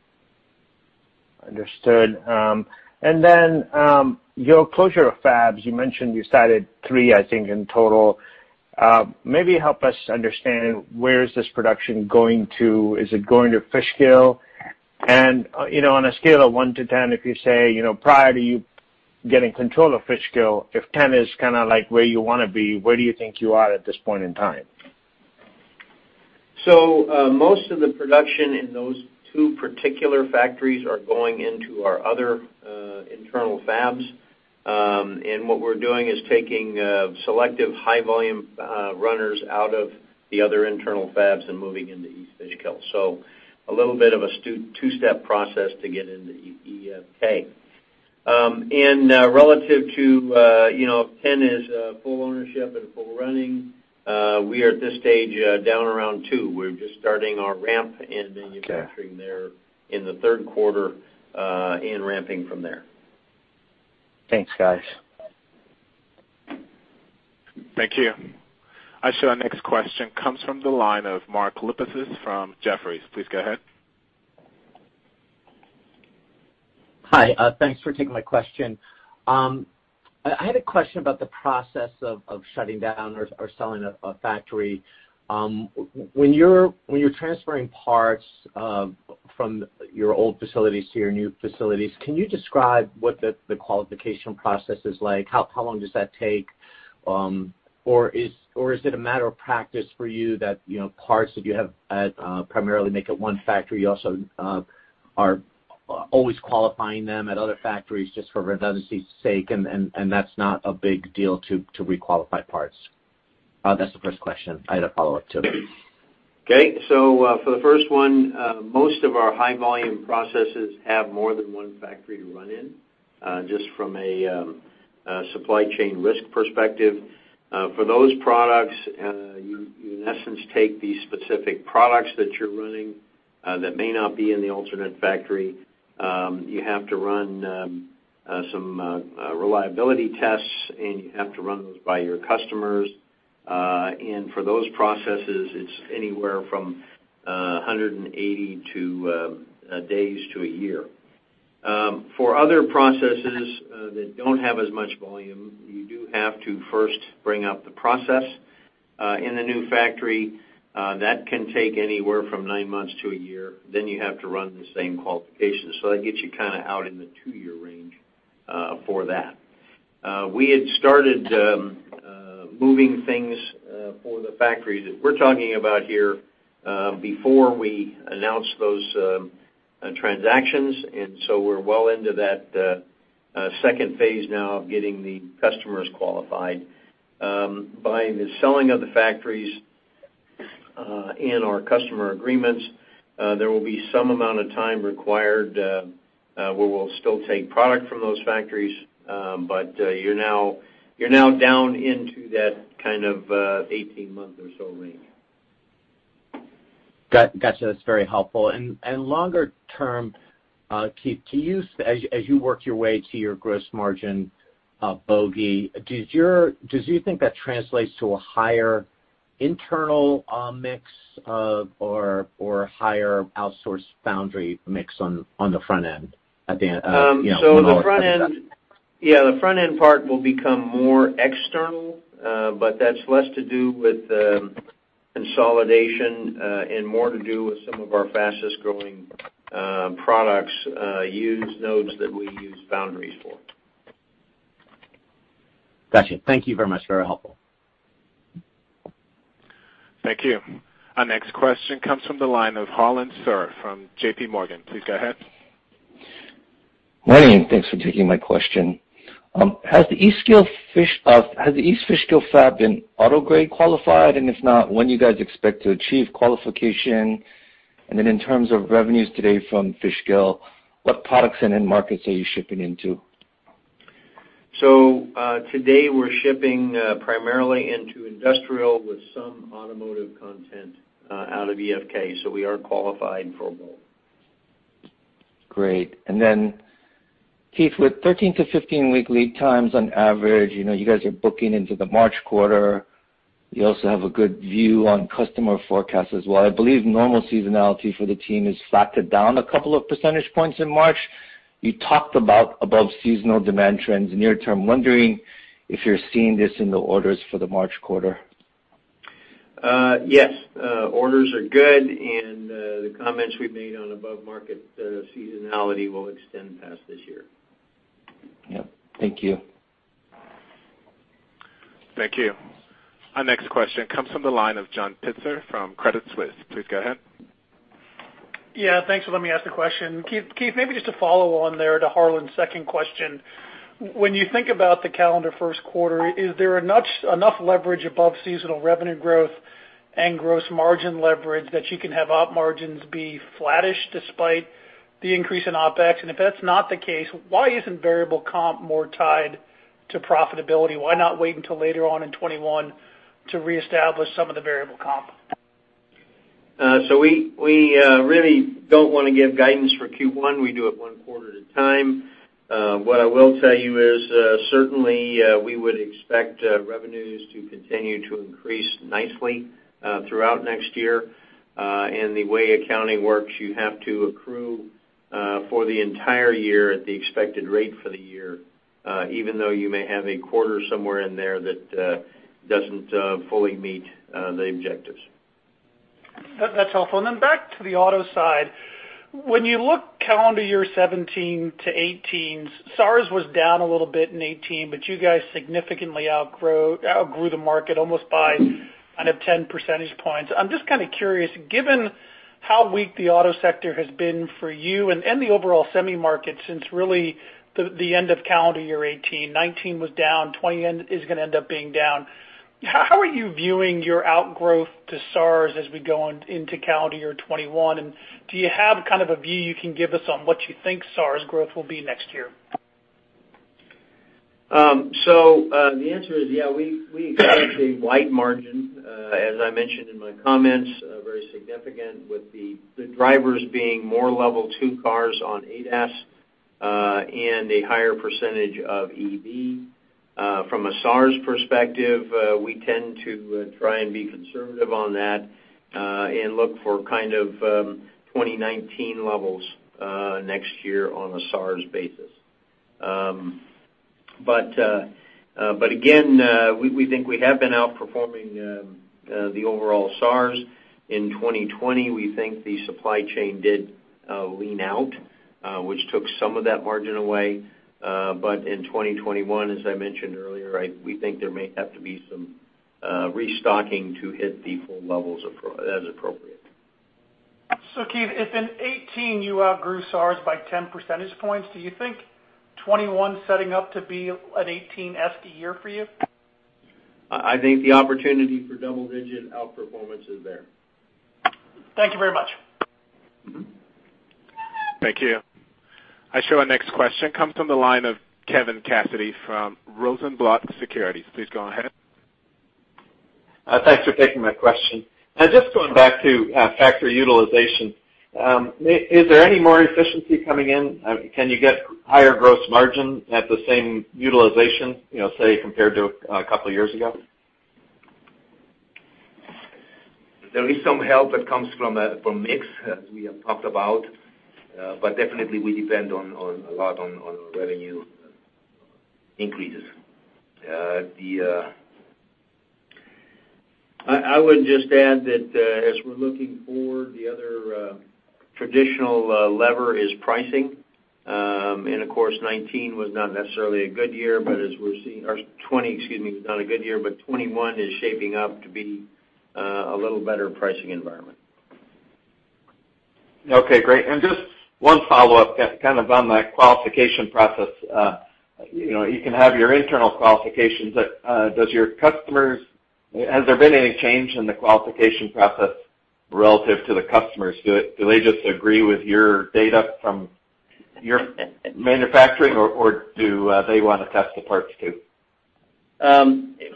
Understood. Your closure of fabs, you mentioned you cited three, I think, in total. Maybe help us understand where is this production going to. Is it going to Fishkill? On a scale of one to 10, if you say, prior to you getting control of Fishkill, if 10 is kind of where you want to be, where do you think you are at this point in time? Most of the production in those two particular factories are going into our other internal fabs. What we're doing is taking selective high-volume runners out of the other internal fabs and moving into East Fishkill. A little bit of a two-step process to get into EFK. Relative to if 10 is full ownership and full running, we are at this stage down around two. We're just starting our ramp and manufacturing there in the third quarter and ramping from there. Thanks, guys. Thank you. I show our next question comes from the line of Mark Lipacis from Jefferies. Please go ahead. Hi. Thanks for taking my question. I had a question about the process of shutting down or selling a factory. When you're transferring parts from your old facilities to your new facilities, can you describe what the qualification process is like? How long does that take? Or is it a matter of practice for you that parts that you have at primarily make at one factory, you also are always qualifying them at other factories just for redundancy's sake, and that's not a big deal to re-qualify parts? That's the first question. I had a follow-up, too. Okay. For the first one, most of our high-volume processes have more than one factory to run in, just from a supply chain risk perspective. For those products, you, in essence, take the specific products that you're running that may not be in the alternate factory. You have to run some reliability tests, and you have to run those by your customers. For those processes, it's anywhere from 180 days to a year. For other processes that don't have as much volume, you do have to first bring up the process in the new factory. That can take anywhere from nine months to a year. You have to run the same qualifications. That gets you kind of out in the two-year range for that. We had started moving things for the factories that we're talking about here before we announced those transactions. We're well into that second phase now of getting the customers qualified. By the selling of the factories, in our customer agreements, there will be some amount of time required where we'll still take product from those factories, but you're now down into that 18-month or so range. Got you. That's very helpful. Longer term, Keith, as you work your way to your gross margin bogey, do you think that translates to a higher internal mix or higher outsourced foundry mix on the front end? Yeah, the front-end part will become more external, but that's less to do with consolidation, and more to do with some of our fastest-growing products use nodes that we use foundries for. Got you. Thank you very much. Very helpful. Thank you. Our next question comes from the line of Harlan Sur from J.P. Morgan. Please go ahead. Morning. Thanks for taking my question. Has the East Fishkill fab been auto-grade qualified? If not, when do you guys expect to achieve qualification? In terms of revenues today from Fishkill, what products and end markets are you shipping into? Today, we're shipping primarily into industrial with some automotive content out of EFK, so we are qualified for both. Great. Keith, with 13-15 week lead times on average, you guys are booking into the March quarter. You also have a good view on customer forecast as well. I believe normal seasonality for the team has flatted down a couple of percentage points in March. You talked about above seasonal demand trends near term. Wondering if you're seeing this in the orders for the March quarter? Yes. Orders are good, and the comments we've made on above-market seasonality will extend past this year. Yep. Thank you. Thank you. Our next question comes from the line of John Pitzer from Credit Suisse. Please go ahead. Yeah, thanks for letting me ask the question. Keith, maybe just to follow on there to Harlan's second question. When you think about the calendar first quarter, is there enough leverage above seasonal revenue growth and gross margin leverage that you can have Op margins be flattish despite the increase in OpEx? If that's not the case, why isn't variable comp more tied to profitability? Why not wait until later on in 2021 to reestablish some of the variable comp? We really don't want to give guidance for Q1. We do it one quarter at a time. What I will tell you is, certainly, we would expect revenues to continue to increase nicely throughout next year. The way accounting works, you have to accrue for the entire year at the expected rate for the year, even though you may have a quarter somewhere in there that doesn't fully meet the objectives. That's helpful. Back to the auto side. When you look calendar year 2017 to 2018, SAAR was down a little bit in 2018, but you guys significantly outgrew the market almost by 10 percentage points. I'm just kind of curious, given how weak the auto sector has been for you and the overall semi market since really the end of calendar year 2018, 2019 was down, 2020 is going to end up being down. How are you viewing your outgrowth to SAAR as we go into calendar year 2021, and do you have kind of a view you can give us on what you think SAAR growth will be next year? The answer is yeah, we expect a wide margin, as I mentioned in my comments, very significant with the drivers being more level 2 cars on ADAS, and a higher percentage of EV. From a SAAR perspective, we tend to try and be conservative on that, and look for kind of 2019 levels next year on a SAAR basis. Again, we think we have been outperforming the overall SAAR. In 2020, we think the supply chain did lean out, which took some of that margin away. In 2021, as I mentioned earlier, we think there may have to be some restocking to hit the full levels as appropriate. Keith, if in 2018 you outgrew SAAR by 10 percentage points, do you think 2021's setting up to be a 2018-esque year for you? I think the opportunity for double-digit outperformance is there. Thank you very much. Thank you. I show our next question comes from the line of Kevin Cassidy from Rosenblatt Securities. Please go ahead. Thanks for taking my question. Just going back to factory utilization. Is there any more efficiency coming in? Can you get higher gross margin at the same utilization, say, compared to a couple of years ago? There is some help that comes from mix, as we have talked about. Definitely we depend a lot on revenue increases. I would just add that as we're looking forward, the other traditional lever is pricing. Of course, 2019 was not necessarily a good year, but 2020, excuse me, was not a good year, but 2021 is shaping up to be a little better pricing environment. Okay, great. Just one follow-up, kind of on that qualification process. You can have your internal qualifications, but has there been any change in the qualification process relative to the customers? Do they just agree with your data from your manufacturing, or do they want to test the parts, too?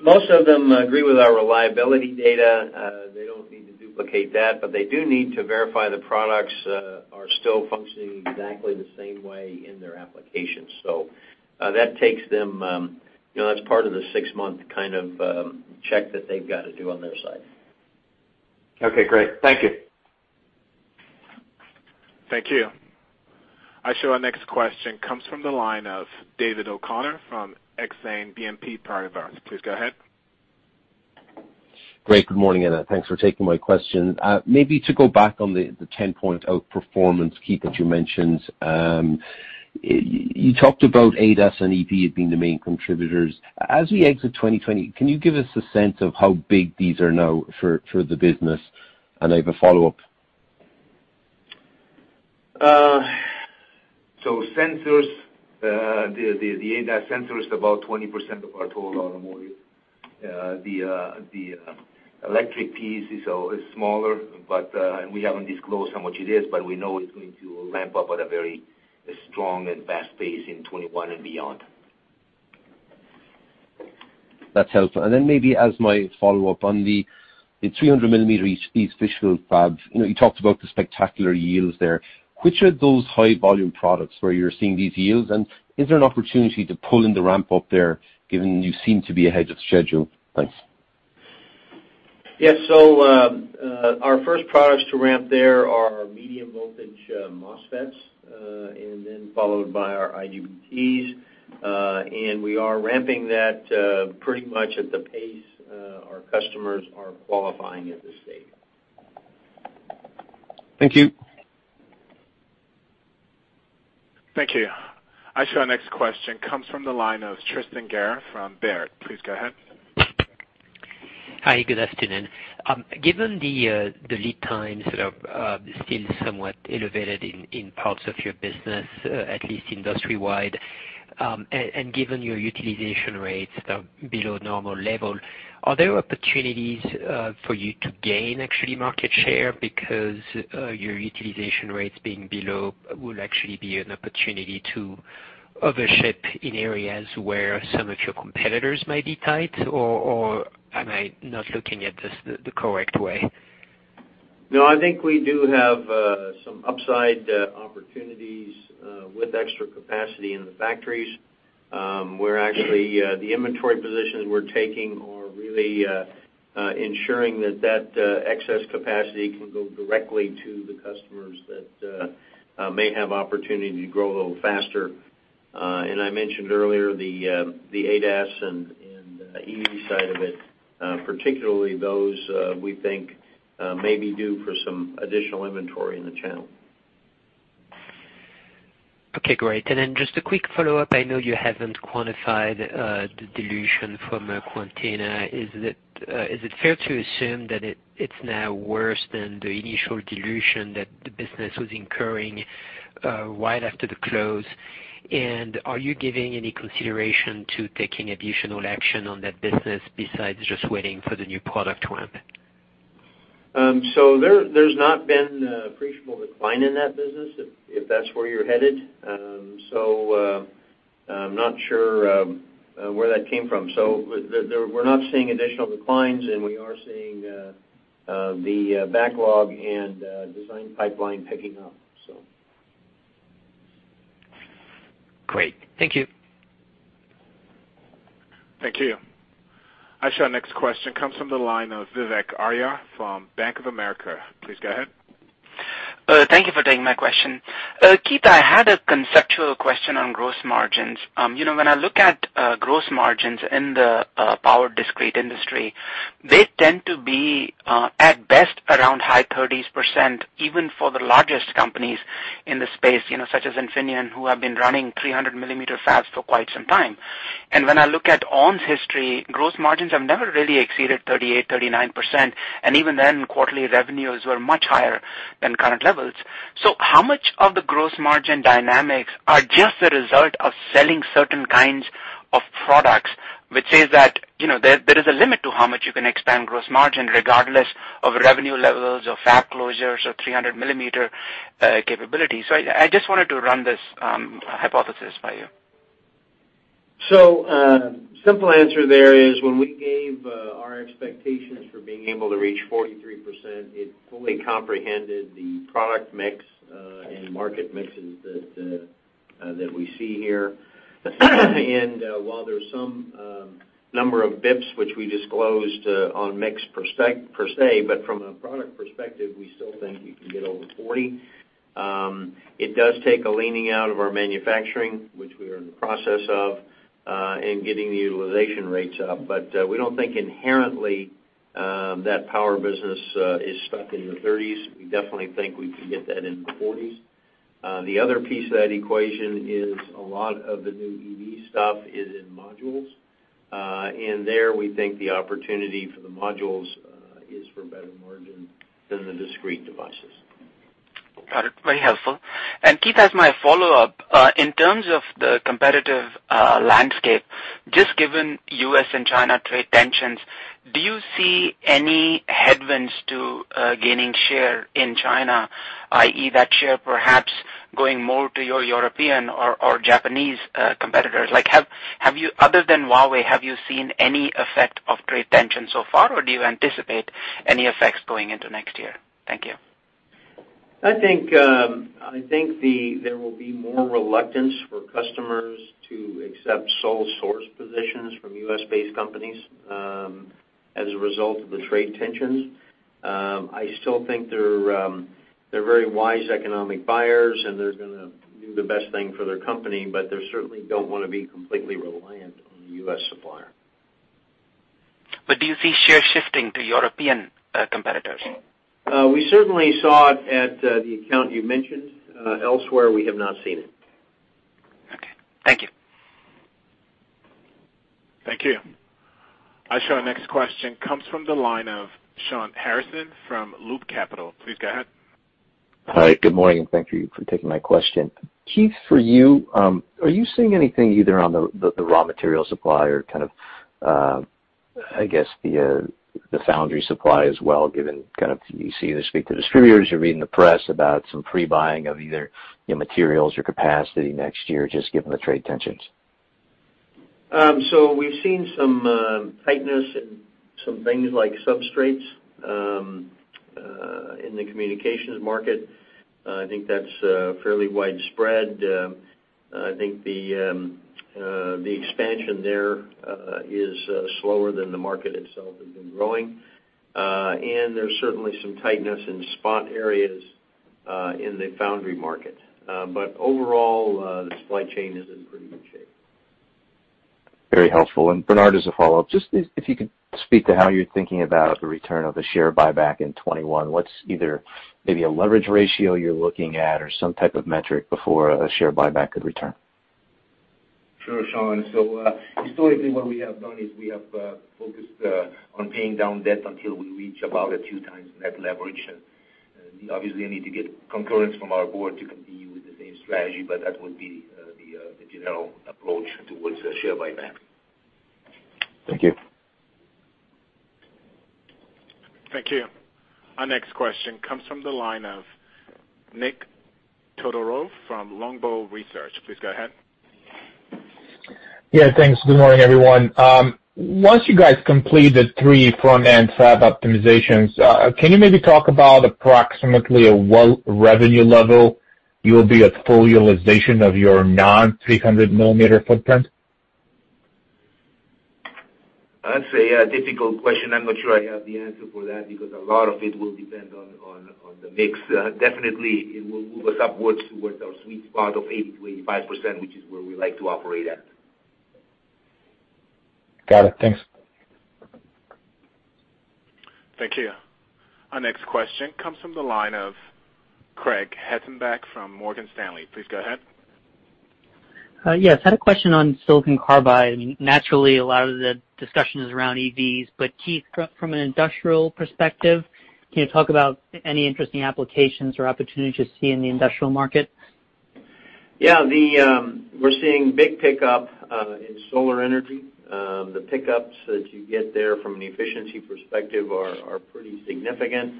Most of them agree with our reliability data. They don't need to duplicate that, but they do need to verify the products are still functioning exactly the same way in their applications. That's part of the six-month kind of check that they've got to do on their side. Okay, great. Thank you. Thank you. I show our next question comes from the line of David O'Connor from Exane BNP Paribas. Please go ahead. Great. Good morning. Thanks for taking my question. Maybe to go back on the 10-point outperformance, Keith, that you mentioned. You talked about ADAS and EV as being the main contributors. As we exit 2020, can you give us a sense of how big these are now for the business? I have a follow-up. Sensors, the ADAS sensors, about 20% of our total automotive. The electric piece is smaller, and we haven't disclosed how much it is, but we know it's going to ramp up at a very strong and fast pace in 2021 and beyond. That's helpful. Maybe as my follow-up, on the 300-millimeter East Fishkill fab, you talked about the spectacular yields there. Which are those high volume products where you're seeing these yields, and is there an opportunity to pull in the ramp up there, given you seem to be ahead of schedule? Thanks. Yeah. Our first products to ramp there are medium voltage MOSFETs, and then followed by our IGBTs. We are ramping that pretty much at the pace our customers are qualifying at this stage. Thank you. Thank you. I show our next question comes from the line of Tristan Gerra from Baird. Please go ahead. Hi, good afternoon. Given the lead times that are still somewhat elevated in parts of your business, at least industry-wide, and given your utilization rates are below normal level, are there opportunities for you to gain actually market share? Your utilization rates being below will actually be an opportunity to overship in areas where some of your competitors may be tight, or am I not looking at this the correct way? No, I think we do have some upside opportunities with extra capacity in the factories, where actually the inventory positions we're taking are really ensuring that excess capacity can go directly to the customers that may have opportunity to grow a little faster. I mentioned earlier the ADAS and EV side of it particularly those, we think, may be due for some additional inventory in the channel. Okay, great. Just a quick follow-up, I know you haven't quantified the dilution from Quantenna. Is it fair to assume that it's now worse than the initial dilution that the business was incurring right after the close? Are you giving any consideration to taking additional action on that business besides just waiting for the new product ramp? There's not been appreciable decline in that business, if that's where you're headed. I'm not sure where that came from. We're not seeing additional declines, and we are seeing the backlog and design pipeline picking up. Great. Thank you. Thank you. I show our next question comes from the line of Vivek Arya from Bank of America. Please go ahead. Thank you for taking my question. Keith, I had a conceptual question on gross margins. When I look at gross margins in the power discrete industry, they tend to be, at best, around high 30s%, even for the largest companies in the space, such as Infineon, who have been running 300-millimeter fabs for quite some time. When I look at ON's history, gross margins have never really exceeded 38%, 39%, and even then, quarterly revenues were much higher than current levels. How much of the gross margin dynamics are just a result of selling certain kinds of products, which says that there is a limit to how much you can expand gross margin, regardless of revenue levels or fab closures or 300-millimeter capability. I just wanted to run this hypothesis by you. Simple answer there is when we gave our expectations for being able to reach 43%, it fully comprehended the product mix and market mixes that we see here. While there's some number of bps which we disclosed on mix per se, but from a product perspective, we still think we can get over 40%. It does take a leaning out of our manufacturing, which we are in the process of, and getting the utilization rates up. We don't think inherently that power business is stuck in the 30s. We definitely think we can get that into 40s. The other piece of that equation is a lot of the new EV stuff is in modules. There, we think the opportunity for the modules is for better margin than the discrete devices. Got it. Very helpful. Keith, as my follow-up, in terms of the competitive landscape, just given U.S. and China trade tensions, do you see any headwinds to gaining share in China, i.e., that share perhaps going more to your European or Japanese competitors? Other than Huawei, have you seen any effect of trade tensions so far, or do you anticipate any effects going into next year? Thank you. I think there will be more reluctance for customers to accept sole source positions from U.S.-based companies as a result of the trade tensions. I still think they're very wise economic buyers, they're gonna do the best thing for their company, they certainly don't want to be completely reliant on a U.S. supplier. Do you see share shifting to European competitors? We certainly saw it at the account you mentioned. Elsewhere, we have not seen it. Okay. Thank you. Thank you. I show our next question comes from the line of Shawn Harrison from Loop Capital. Please go ahead. Hi. Good morning, and thank you for taking my question. Keith, for you, are you seeing anything either on the raw material supply or I guess the foundry supply as well, given you either speak to distributors, you're reading the press about some pre-buying of either materials or capacity next year, just given the trade tensions? We've seen some tightness in some things like substrates in the communications market. I think that's fairly widespread. I think the expansion there is slower than the market itself has been growing. There's certainly some tightness in spot areas in the foundry market. Overall, the supply chain is in pretty good shape. Very helpful. Bernard, as a follow-up, just if you could speak to how you're thinking about the return of the share buyback in 2021. What's either maybe a leverage ratio you're looking at or some type of metric before a share buyback could return? Sure, Shawn. Historically, what we have done is we have focused on paying down debt until we reach about a 2 times net leverage. Obviously, need to get concurrence from our board to continue with the same strategy, but that would be the general approach towards a share buyback. Thank you. Thank you. Our next question comes from the line of Nick Todorov from Longbow Research. Please go ahead. Yeah, thanks. Good morning, everyone. Once you guys complete the three front-end fab optimizations, can you maybe talk about approximately a revenue level you'll be at full utilization of your non-300-millimeter footprint? That's a difficult question. I'm not sure I have the answer for that because a lot of it will depend on the mix. Definitely, it will move us upwards towards our sweet spot of 80%-85%, which is where we like to operate at. Got it. Thanks. Thank you. Our next question comes from the line of Craig Hettenbach from Morgan Stanley. Please go ahead. Yes. I had a question on silicon carbide. Naturally, a lot of the discussion is around EVs, but Keith, from an industrial perspective, can you talk about any interesting applications or opportunities you see in the industrial market? Yeah. We're seeing big pickup in solar energy. The pickups that you get there from an efficiency perspective are pretty significant.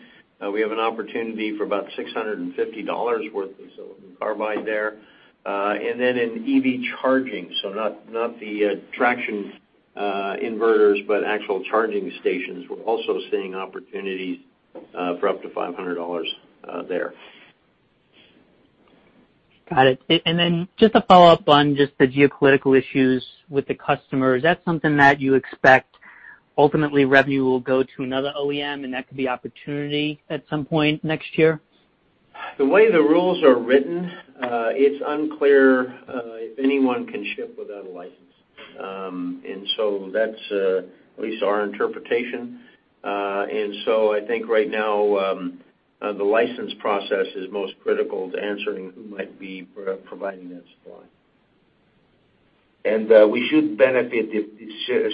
We have an opportunity for about $650 worth of silicon carbide there. Then in EV charging, so not the traction inverters, but actual charging stations, we're also seeing opportunities for up to $500 there. Got it. Just a follow-up on just the geopolitical issues with the customer. Is that something that you expect ultimately revenue will go to another OEM and that could be opportunity at some point next year? The way the rules are written, it's unclear if anyone can ship without a license. That's at least our interpretation. I think right now, the license process is most critical to answering who might be providing that supply. We should benefit if the share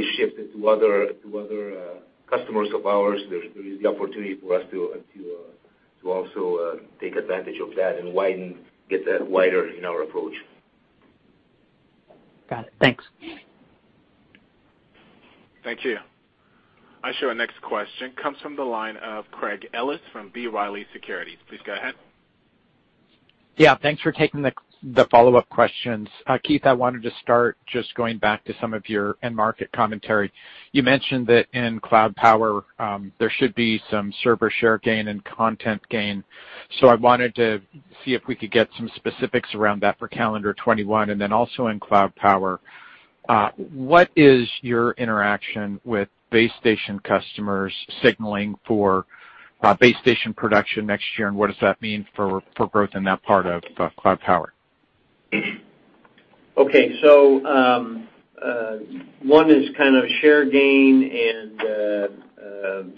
is shifted to other customers of ours. There is the opportunity for us to also take advantage of that and get that wider in our approach. Got it. Thanks. Thank you. I show our next question comes from the line of Craig Ellis from B. Riley Securities. Please go ahead. Thanks for taking the follow-up questions. Keith, I wanted to start just going back to some of your end market commentary. You mentioned that in cloud power, there should be some server share gain and content gain. I wanted to see if we could get some specifics around that for calendar 2021, then also in cloud power, what is your interaction with base station customers signaling for base station production next year, what does that mean for growth in that part of cloud power? Okay. One is kind of share gain,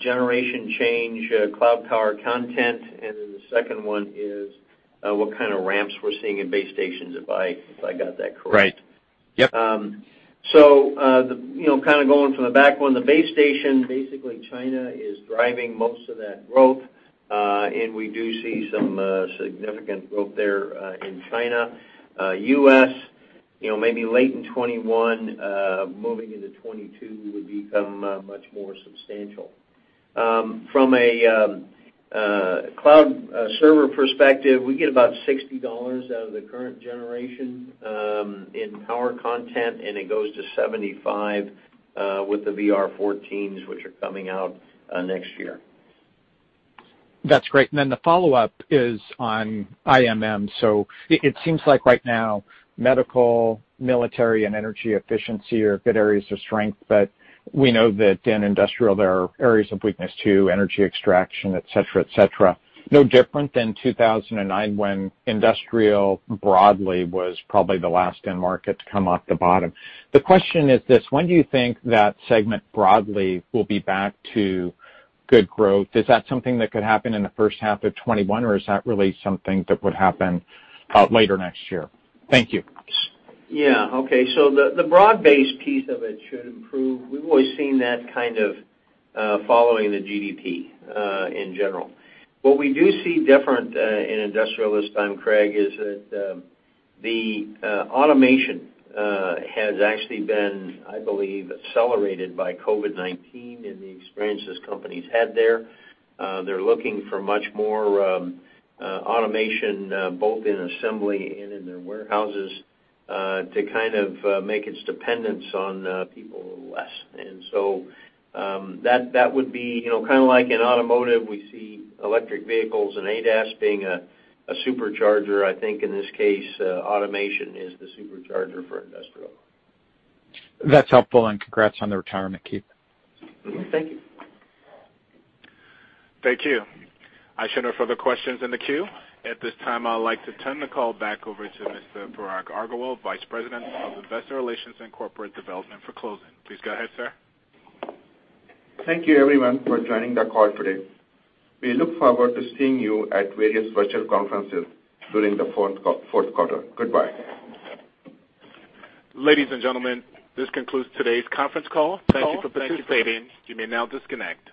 generation change, cloud power content, and then the second one is what kind of ramps we're seeing in base stations, if I got that correct. Right. Yep. kind of going from the back one, the base station, basically China is driving most of that growth, and we do see some significant growth there in China. U.S., maybe late in 2021, moving into 2022, we would become much more substantial. From a cloud server perspective, we get about $60 out of the current generation in power content, and it goes to $75 with the VR14s, which are coming out next year. That's great. The follow-up is on IMM. It seems like right now, medical, military, and energy efficiency are good areas of strength, but we know that in industrial, there are areas of weakness, too, energy extraction, et cetera, et cetera. No different than 2009 when industrial broadly was probably the last end market to come off the bottom. The question is this: When do you think that segment broadly will be back to good growth? Is that something that could happen in the first half of 2021, or is that really something that would happen later next year? Thank you. Yeah. Okay. The broad-based piece of it should improve. We've always seen that kind of following the GDP in general. What we do see different in industrial this time, Craig, is that the automation has actually been, I believe, accelerated by COVID-19 and the experience those companies had there. They're looking for much more automation, both in assembly and in their warehouses, to kind of make its dependence on people a little less. That would be kind of like in automotive, we see electric vehicles and ADAS being a supercharger. I think in this case, automation is the supercharger for industrial. That's helpful, and congrats on the retirement, Keith. Thank you. Thank you. I show no further questions in the queue. At this time, I'd like to turn the call back over to Mr. Parag Agarwal, Vice President of Investor Relations and Corporate Development, for closing. Please go ahead, sir. Thank you, everyone, for joining the call today. We look forward to seeing you at various virtual conferences during the fourth quarter. Goodbye. Ladies and gentlemen, this concludes today's conference call. Thank you for participating. You may now disconnect.